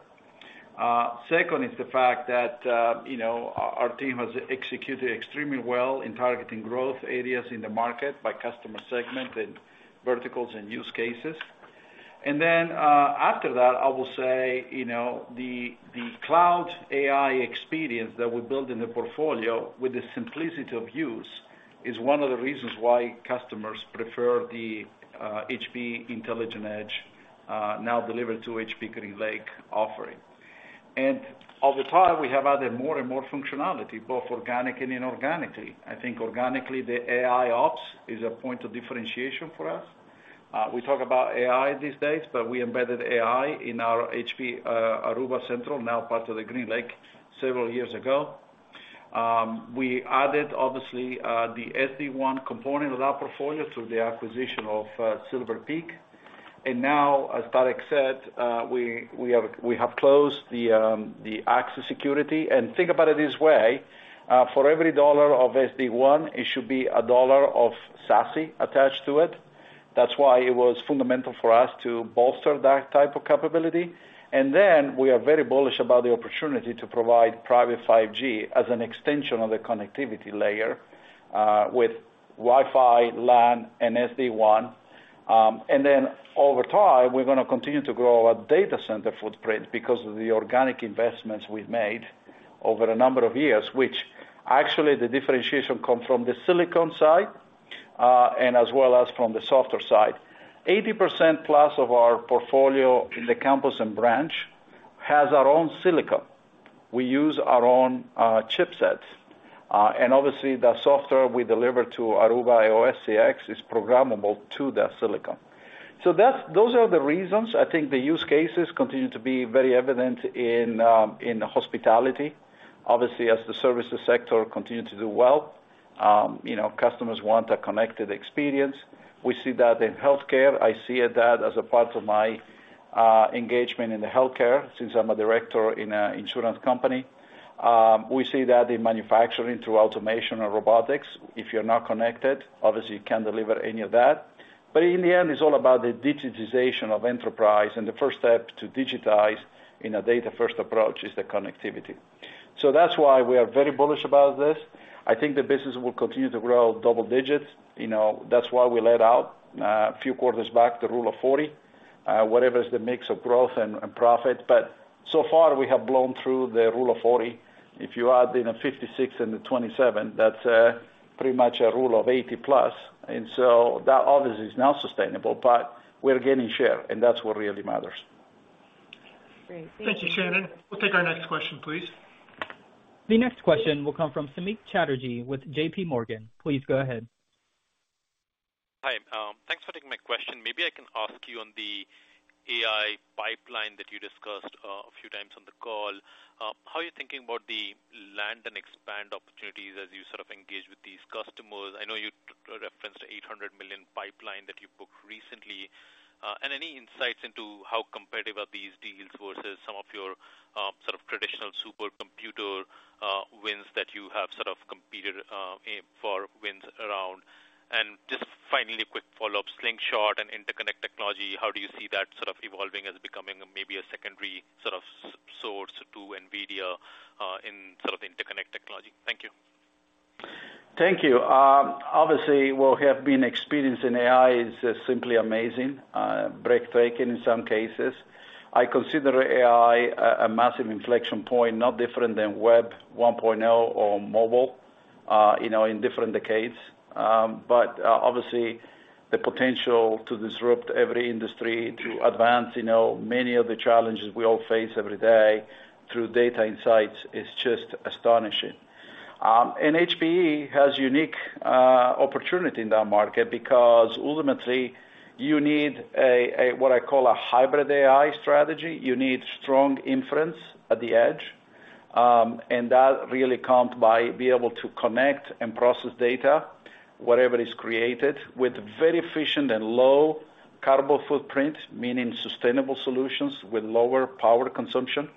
Second is the fact that, you know, our team has executed extremely well in targeting growth areas in the market by customer segment, verticals, and use cases. After that, I will say, you know, the cloud AI experience that we built in the portfolio with the simplicity of use, is one of the reasons why customers prefer the HPE Intelligent Edge, now delivered to the HPE GreenLake offering. Over time, we have added more and more functionality, both organic and inorganic. I think organically, AIOps is a point of differentiation for us. We talk about AI these days, but we embedded AI in our HPE, Aruba Central, now part of the HPE GreenLake, several years ago. We added, obviously, the SD-WAN component of our portfolio through the acquisition of Silver Peak. Now, as Tarek said, we have closed the Axis Security. Think about it this way, for every dollar of SD-WAN, it should be a dollar of SASE attached to it. That's why it was fundamental for us to bolster that type of capability. We are very bullish about the opportunity to provide private 5G as an extension of the connectivity layer, with Wi-Fi, LAN, and SD-WAN. Over time, we're gonna continue to grow our data center footprint because of the organic investments we've made over a number of years, which actually, the differentiation comes from the silicon side, as well as from the software side. 80% plus of our portfolio in the campus and branch has its own silicon. We use our own chipsets, and obviously, the software we deliver to Aruba AOS-CX is programmable to that silicon. Those are the reasons. I think the use cases continue to be very evident in hospitality. Obviously, as the services sector continues to do well, you know, customers want a connected experience. We see that in healthcare. I see that as a part of my engagement in healthcare, since I'm a director in an insurance company. We see that in manufacturing through automation and robotics. If you're not connected, obviously, you can't deliver any of that. In the end, it's all about the digitization of enterprise, and the first step to digitize in a data-first approach is connectivity. That's why we are very bullish about this. I think the business will continue to grow in double-digits. You know, that's why we laid out a few quarters back, the Rule of 40, whatever is the mix of growth and profit. So far, we have blown through the Rule of 40. If you add in the 56 and the 27, that's pretty much a Rule of 80+. That obviously is not sustainable. We're gaining share, and that's what really matters. Great. Thank you, Shannon. We'll take our next question, please. The next question will come from Samik Chatterjee with JPMorgan. Please go ahead. Hi, thanks for taking my question. Maybe I can ask you on the AI pipeline that you discussed a few times on the call. How are you thinking about the land and expanding opportunities as you sort of engage with these customers? I know you referenced the $800 million pipeline that you booked recently. Any insights into how competitive these deals are versus some of your sort of traditional supercomputer wins that you have sort of competed, aim for wins, around? Just finally, a quick follow-up. HPE Slingshot and interconnect technology, how do you see that sort of evolving as becoming maybe a secondary sort of source to NVIDIA in sort of interconnect technology? Thank you. Thank you. Obviously, what we have experienced in AI is simply amazing, breathtaking in some cases. I consider AI a massive inflection point, not different than Web 1.0 or mobile, you know, in different decades. Obviously, the potential to disrupt every industry, to advance, you know, many of the challenges we all face every day through data insights is just astonishing. HPE has a unique opportunity in that market because ultimately, you need what I call a hybrid AI strategy. You need strong inference at the edge, which really comes by being able to connect and process data, whatever is created, with a very efficient and low carbon footprint, meaning sustainable solutions with lower power consumption.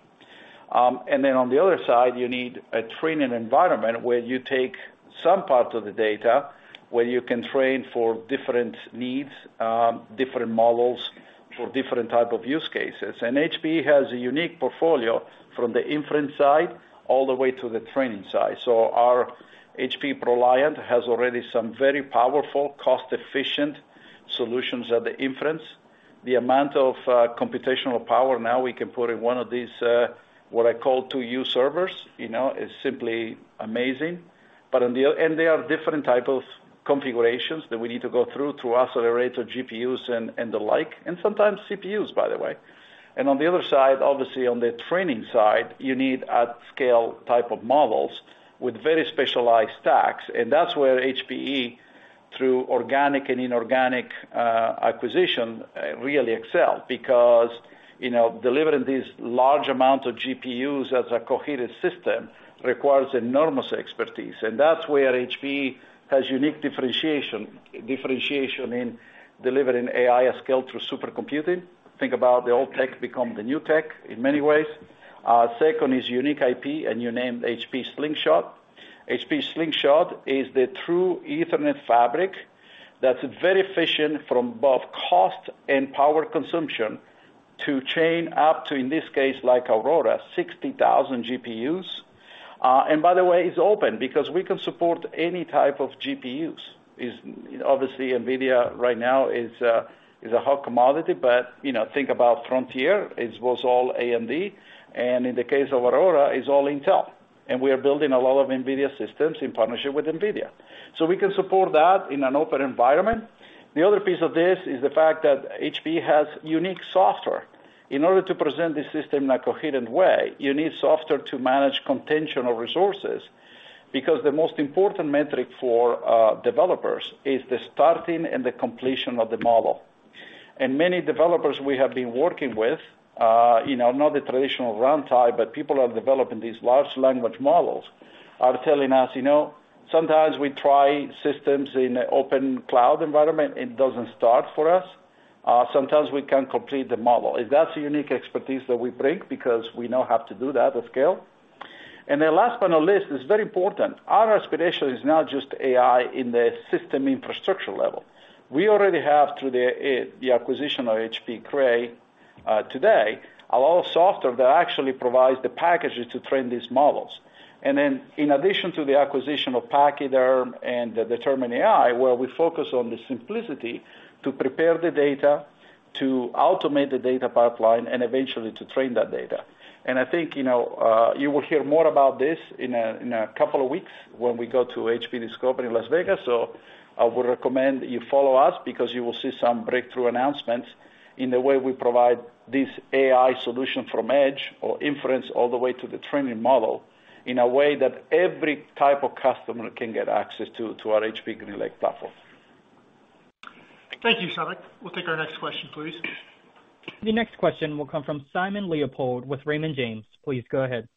On the other side, you need a training environment where you take some parts of the data, where you can train for different needs, different models for different types of use cases. HPE has a unique portfolio from the inference side all the way to the training side. Our HPE ProLiant already has some very powerful, cost-efficient solutions at the inference. The amount of computational power we can now put in one of these, what I call 2U servers, you know, is simply amazing. There are different type of configurations that we need to go through to accelerate the GPUs and the like, and sometimes CPUs, by the way. On the other side, obviously, on the training side, you need at-scale type of models with very specialized stacks. That's where HPE, through organic and inorganic acquisition, really excels. Because, you know, delivering these large amounts of GPUs as a coherent system requires enormous expertise, and that's where HPE has unique differentiation in delivering AI at scale through supercomputing. Think about how old tech becomes the new tech in many ways. Second is a unique IP, and you named it HPE Slingshot. HPE Slingshot is the true Ethernet fabric that's very efficient from both cost and power consumption to chain up to, in this case, like Aurora, 60,000 GPUs. And by the way, it's open because we can support any type of GPU. Obviously, NVIDIA right now is a hot commodity, but you know, think about Frontier. It was all AMD, and in the case of Aurora, it's all Intel. We are building a lot of NVIDIA systems in partnership with NVIDIA. We can support that in an open environment. The other piece of this is the fact that HPE has unique software. In order to present this system in a coherent way, you need software to manage the contention of resources, because the most important metric for developers is the start and the completion of the model. Many developers we have been working with, you know, not the traditional runtime, but people are developing these large language models, are telling us, "You know, sometimes we try systems in an open cloud environment, it doesn't start for us. Sometimes we can't complete the model." That's a unique expertise that we bring because we know how to do that at scale. Last but not least, it's very important. Our aspiration is not just AI at the system infrastructure level. We already have, through the acquisition of HPE Cray, today, a lot of software that actually provides the packages to train these models. In addition to the acquisition of Pachyderm and Determined AI, where we focus on the simplicity to prepare the data, to automate the data pipeline, and eventually to train that data. I think, you know, you will hear more about this in a couple of weeks when we go to HPE Discover in Las Vegas. I would recommend you follow us, because you will see some breakthrough announcements in the way we provide this AI solution from edge or inference all the way to the training model, in a way that every type of customer can get access to our HPE GreenLake platform. Thank you, Samik. We'll take our next question, please. The next question will come from Simon Leopold with Raymond James. Please go ahead.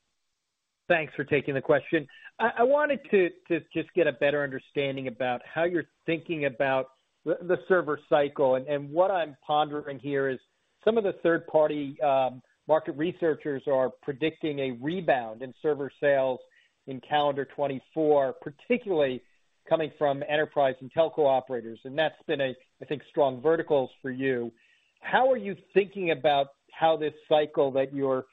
Thanks for taking the question. I wanted to just get a better understanding about how you're thinking about the server cycle. What I'm pondering here is some of the third-party market researchers are predicting a rebound in server sales in calendar 2024, particularly coming from enterprise and telco operators, and that's been a, I think, strong vertical for you. How are you thinking about how this cycle that you've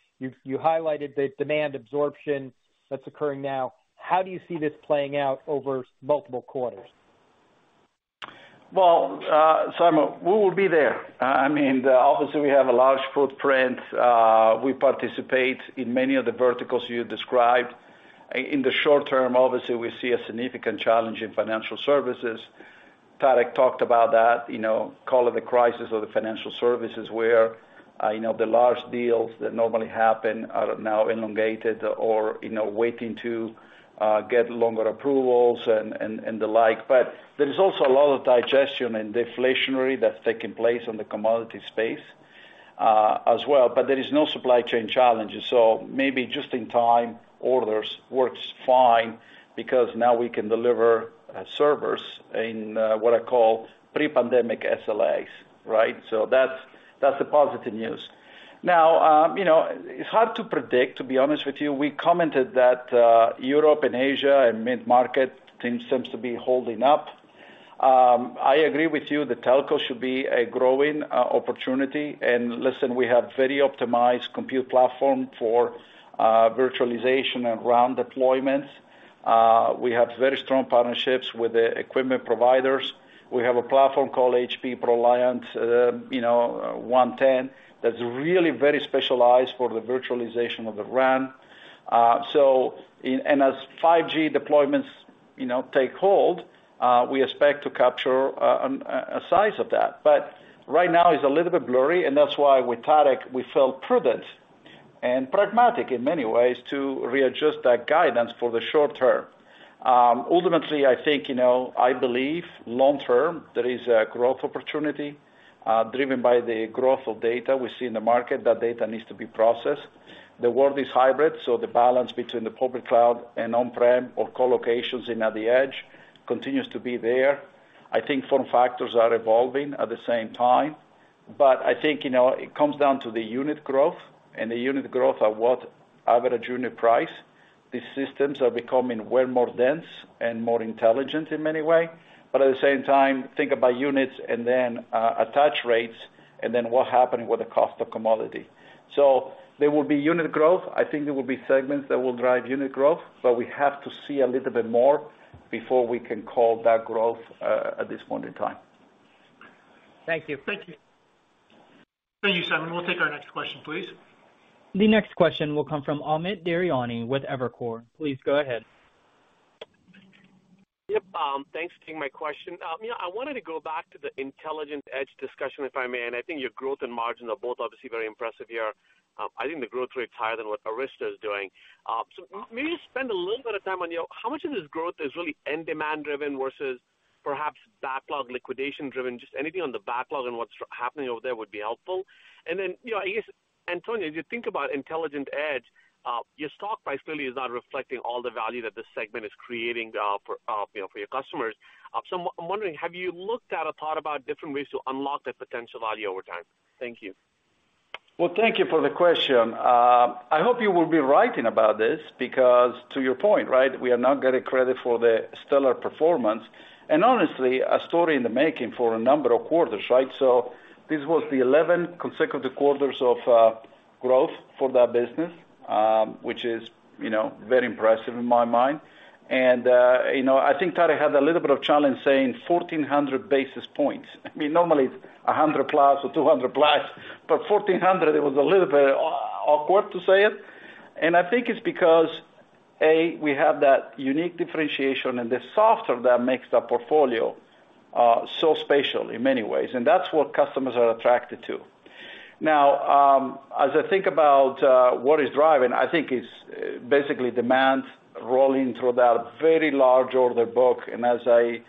highlighted, the demand absorption that's occurring now, how do you see this playing out over multiple quarters? Well, Simon, we will be there. I mean, obviously, we have a large footprint. We participate in many of the verticals you described. In the short term, obviously, we see a significant challenge in financial services. Tarek talked about that, you know, call it the crisis of the financial services, where, you know, the large deals that normally happen are now elongated or, you know, waiting to get longer approvals and the like. There is also a lot of digestion and deflation that's taking place in the commodity space as well. There is no supply chain challenges, maybe just-in-time orders work fine because now we can deliver servers in what I call pre-pandemic SLAs, right? That's the positive news. You know, it's hard to predict, to be honest with you. We commented that Europe, and Asia and the mid-market team seems to be holding up. I agree with you, the telco should be a growing opportunity. Listen, we have very optimized compute platform for virtualization and RAN deployments. We have very strong partnerships with the equipment providers. We have a platform called HPE ProLiant, you know, DL110, that's really very specialized for the virtualization of the RAN. As 5G deployments, you know, take hold, we expect to capture a size of that. Right now is a little bit blurry, and that's why with Tarek, we felt prudent and pragmatic in many ways to readjust that guidance for the short term. Ultimately, I think, you know, I believe long term, there is a growth opportunity, driven by the growth of data we see in the market. That data needs to be processed. The world is hybrid, so the balance between the public cloud and on-prem or co-locations in at the edge continues to be there. I think form factors are evolving at the same time, but I think, you know, it comes down to the unit growth, and the unit growth at what average unit price. These systems are becoming well more dense and more intelligent in many way, but at the same time, think about units and then, attach rates, and then what happening with the cost of commodity. There will be unit growth. I think there will be segments that will drive unit growth, but we have to see a little bit more before we can call that growth at this point in time. Thank you. Thank you. Thank you, Simon. We'll take our next question, please. The next question will come from Amit Daryanani with Evercore. Please go ahead. Yep, thanks for taking my question. You know, I wanted to go back to the Intelligent Edge discussion, if I may. I think your growth and margins are both obviously very impressive here. I think the growth rate is higher than what Arista is doing. Maybe spend a little bit of time on, you know, how much of this growth is really end demand driven versus perhaps backlog liquidation driven? Just anything on the backlog and what's happening over there would be helpful. You know, I guess, Antonio, as you think about Intelligent Edge, your stock price really is not reflecting all the value that this segment is creating for, you know, for your customers. I'm wondering, have you looked at or thought about different ways to unlock the potential value over time? Thank you. Well, thank you for the question. I hope you will be writing about this because, to your point, right, we are not getting credit for the stellar performance, and honestly, a story in the making for a number of quarters, right? This was the 11th consecutive quarter of growth for that business, which is, you know, very impressive in my mind. I think Tarek had a little bit of a challenge saying 1,400 basis points. I mean, normally it's 100 plus or 200 plus, but 1,400, it was a little bit awkward to say it. I think it's because, A, we have that unique differentiation and the software that makes the portfolio so special in many ways, and that's what customers are attracted to. Now, as I think about what is driving, I think it's basically demand rolling through that very large order book. As I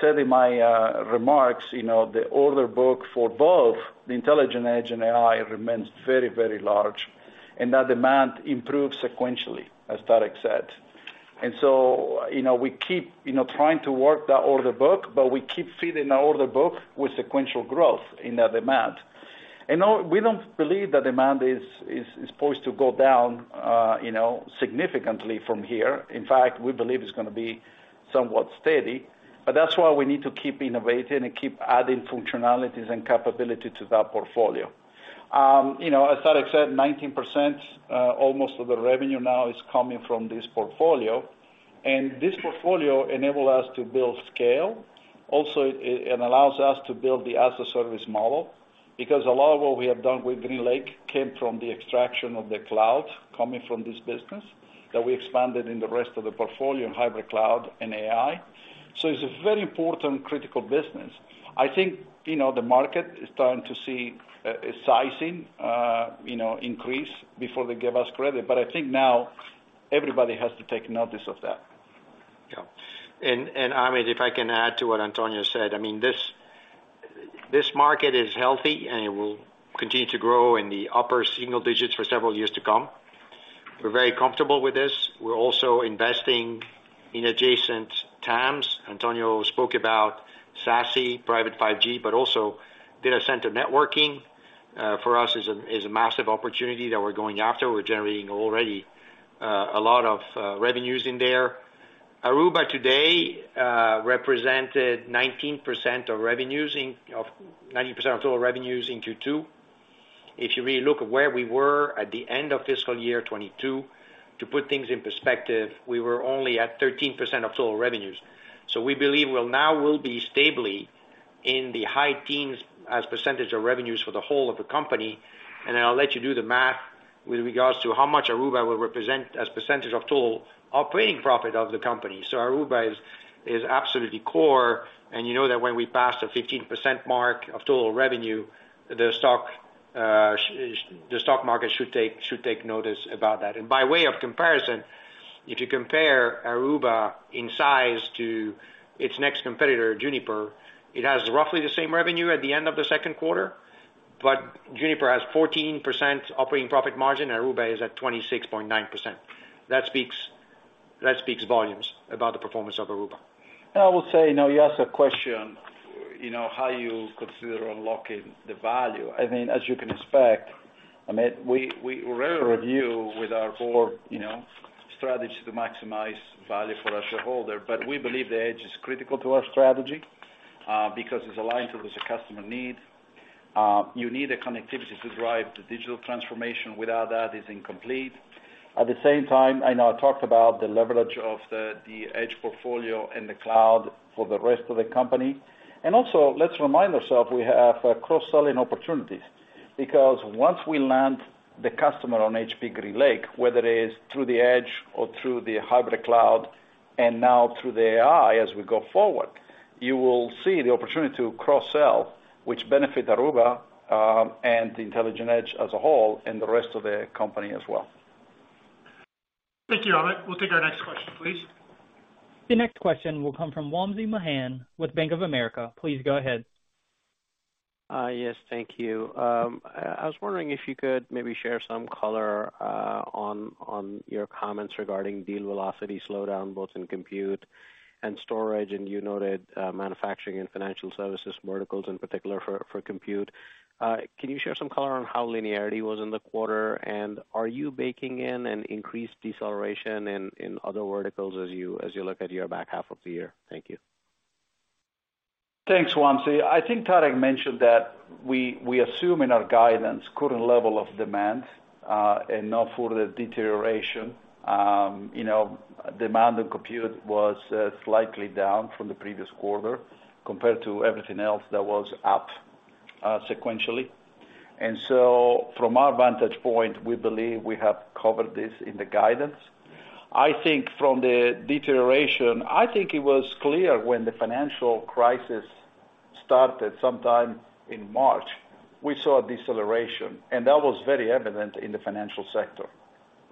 said in my remarks, you know, the order book for both the Intelligent Edge and AI remains very, very large, and that demand improves sequentially, as Tarek said. You know, we keep trying to work on that order book, but we keep feeding the order book with sequential growth in that demand. No, we don't believe the demand is supposed to go down, you know, significantly from here. In fact, we believe it's going to be somewhat steady, but that's why we need to keep innovating and keep adding functionalities and capabilities to that portfolio. You know, as Tarek said, 19% almost of the revenue now is coming from this portfolio. This portfolio enables us to build scale. It allows us to build the as-a-service model, because a lot of what we have done with GreenLake came from the extraction of the cloud coming from this business, which we expanded in the rest of the portfolio in hybrid cloud and AI. It's a very important, critical business. I think, you know, the market is starting to see a sizing, you know, increase before they give us credit, but I think now everybody has to take notice of that. Yeah. Amit, if I can add to what Antonio said, I mean, this market is healthy, and it will continue to grow in the upper single digits for several years to come. We're very comfortable with this. We're also investing in adjacent times. Antonio spoke about SASE, private 5G, but also data center networking. For us is a massive opportunity that we're going after. We're already generating a lot of revenue in there. Aruba today represented 19% of revenues, 90% of total revenues in Q2. If you really look at where we were at the end of fiscal year 2022, to put things in perspective, we were only at 13% of total revenues. We believe we'll now will be stably in the high-teens as % of revenues for the whole of the company, and then I'll let you do the math with regards to how much Aruba will represent as % of the total operating profit of the company. Aruba is absolutely core, and you know that when we pass the 15% mark of total revenue, the stock market should take notice about that. by way of comparison, if you compare Aruba in size to its next competitor, Juniper, it has roughly the same revenue at the end of the second quarter, but Juniper has 14% operating profit margin, Aruba is at 26.9%. That speaks volumes about the performance of Aruba. I will say, you know, you asked a question, you know, how you consider unlocking the value. I mean, as you can expect, I mean, we regularly review with our board, you know, strategy to maximize value for our shareholders. We believe the edge is critical to our strategy, because it's aligned to there's a customer need. You need connectivity to drive the digital transformation; without that, it's incomplete. At the same time, I know I talked about the leverage of the Edge portfolio and the cloud for the rest of the company. Also, let's remind ourselves that we have cross-selling opportunities. Once we land the customer on HPE GreenLake, whether it is through the Edge or through the hybrid cloud, and now through the AI as we go forward, you will see the opportunity to cross-sell, which benefits Aruba and the Intelligent Edge as a whole, and the rest of the company as well. Thank you, Amit. We'll take our next question, please. The next question will come from Wamsi Mohan with Bank of America. Please go ahead. Yes, thank you. I was wondering if you could maybe share some color on your comments regarding deal velocity slowdown, both in compute and storage, and you noted manufacturing and financial services verticals, in particular for compute. Can you share some color on how linearity was in the quarter? Are you baking in an increased deceleration in other verticals as you look at the back half of the year? Thank you. Thanks, Wamsi. I think Tarek mentioned that we assume in our guidance the current level of demand, and not further deterioration. You know, demand in compute was slightly down from the previous quarter, compared to everything else that was up sequentially. From our vantage point, we believe we have covered this in the guidance. I think from the deterioration, I think it was clear when the financial crisis started sometime in March, we saw a deceleration, and that was very evident in the financial sector,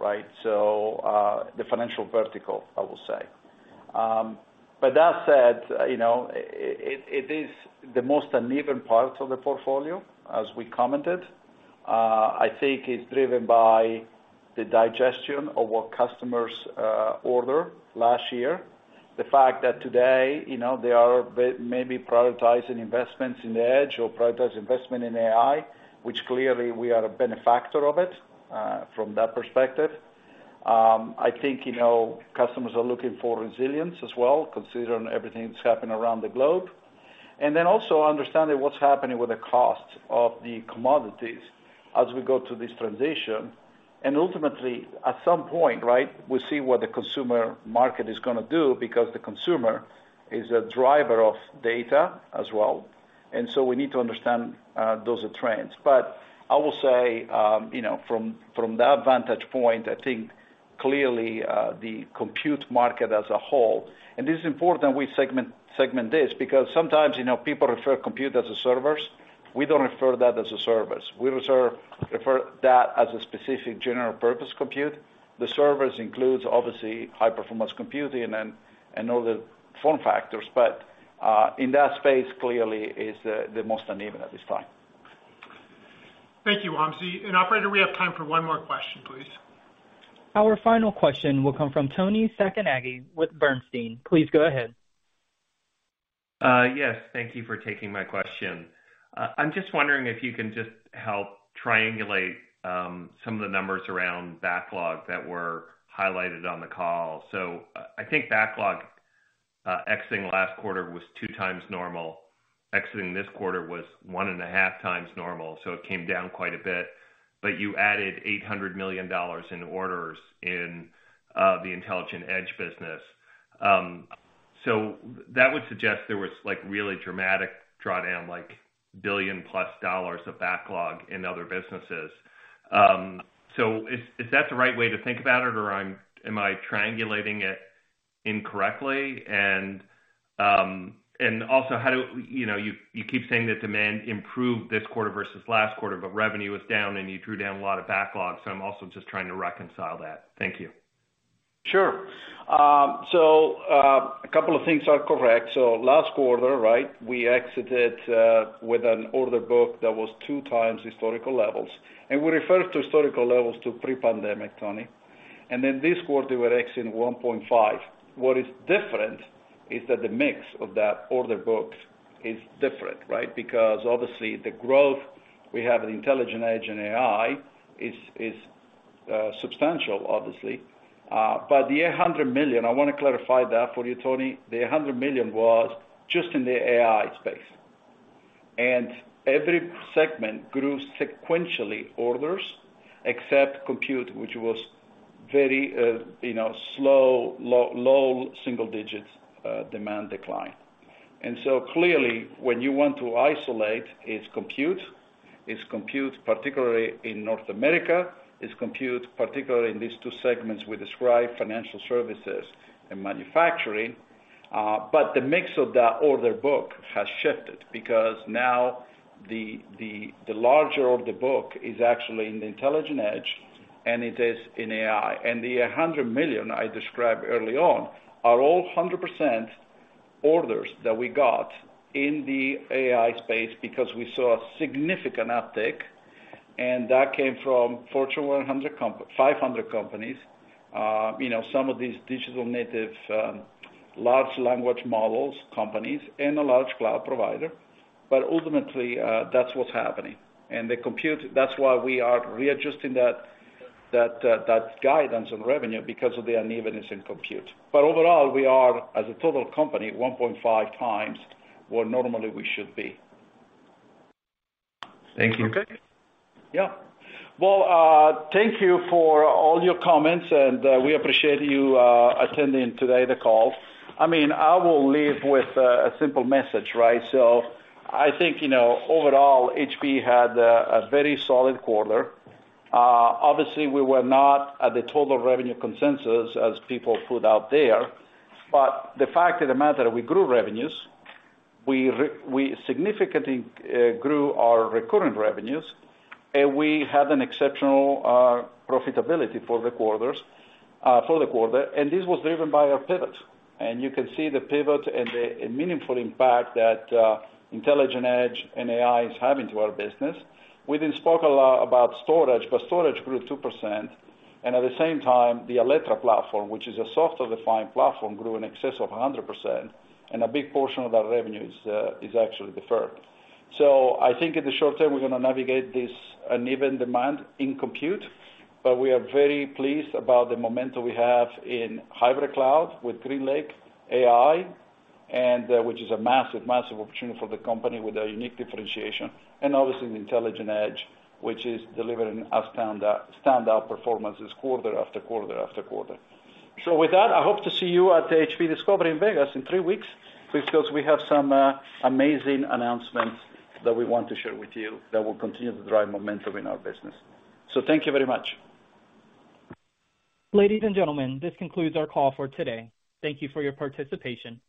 right? The financial vertical, I will say. That said, you know, it, it is the most uneven part of the portfolio, as we commented. I think it's driven by the digestion of what customers ordered last year. The fact that today, you know, they are maybe prioritizing investments in the Edge or prioritizing investment in AI, which clearly we are a benefactor of it, from that perspective. I think, you know, customers are looking for resilience as well, considering everything that's happened around the globe. Also understanding what's happening with the cost of the commodities as we go through this transition. Ultimately, at some point, right, we see what the consumer market is gonna do, because the consumer is a driver of data as well, we need to understand, those trends. I will say, you know, from that vantage point, I think clearly, the compute market as a whole, this is important we segment this, because sometimes, you know, people refer compute as a servers. We don't refer that as a servers. We refer that as a specific general purpose compute. The servers includes, obviously, high-performance computing and all the form factors, but in that space, clearly, is the most uneven at this time. Thank you, Wamsi. Operator, we have time for one more question, please. Our final question will come from Toni Sacconaghi with Bernstein. Please go ahead. Yes, thank you for taking my question. I'm just wondering if you can just help triangulate some of the numbers around the backlog that were highlighted on the call. I think the backlog exiting last quarter was 2x normal. Exiting this quarter was 1.5x normal; it came down quite a bit. You added $800 million in orders in the Intelligent Edge business. That would suggest there was, like, really dramatic drawdown, like $1 billion-plus of backlog in other businesses. Is that the right way to think about it, or am I triangulating it incorrectly? Also, how do... You know, you keep saying that demand improved this quarter versus last quarter. Revenue was down. You drew down a lot of backlogs. I'm also just trying to reconcile that. Thank you. Sure. A couple of things are correct. Last quarter, right, we exited with an order book that was 2x historical levels, and we refer to historical levels to pre-pandemic, Toni Sacconaghi. This quarter, we're exiting 1.5x. What is different is that the mix of those order books is different, right? Obviously, the growth we have in Intelligent Edge and AI is substantial, obviously. The $800 million, I wanna clarify that for you, Toni Sacconaghi. The $800 million was just in the AI space; every segment grew sequentially in orders, except Compute, which was very, you know, slow, low single-digits, demand decline. Clearly, when you want to isolate, it's Compute, particularly in North America, it's Compute, particularly in these two segments we describe, financial services and manufacturing. But the mix of that order book has shifted because now the larger of the book is actually in the Intelligent Edge, and it is in AI. The $100 million I described earlier on are all 100% orders that we got in the AI space because we saw a significant uptick. That came from Fortune 500 companies, you know, some of these digital native large language model companies, and a large cloud provider. Ultimately, that's what's happening. The compute, that's why we are readjusting that guidance on revenue because of the unevenness in compute. Overall, we are, as a total company, 1.5x where normally we should be. Thank you. Okay. Yeah. Well, thank you for all your comments, and we appreciate you attending today's call. I mean, I will leave with a simple message, right? I think, you know, overall, HPE had a very solid quarter. Obviously, we were not at the total revenue consensus as people put out there, but the fact of the matter, we grew revenues, we significantly grew our recurrent revenues, and we had an exceptional profitability for the quarter, and this was driven by our pivot. You can see the pivot and the meaningful impact that Intelligent Edge and AI is having to our business. We didn't spoke a lot about storage, but storage grew 2%, and at the same time, the HPE Alletra platform, which is a software-defined platform, grew in excess of 100%, and a big portion of our revenues is actually deferred. I think in the short term, we're gonna navigate this uneven demand in compute, but we are very pleased about the momentum we have in hybrid cloud with HPE GreenLake AI, and which is a massive opportunity for the company with a unique differentiation, and obviously, the Intelligent Edge, which is delivering outstanding, standout performances quarter after quarter after quarter. With that, I hope to see you at the HPE Discover in Vegas in three weeks, because we have some amazing announcements that we want to share with you that will continue to drive momentum in our business. Thank you very much. Ladies and gentlemen, this concludes our call for today. Thank you for your participation.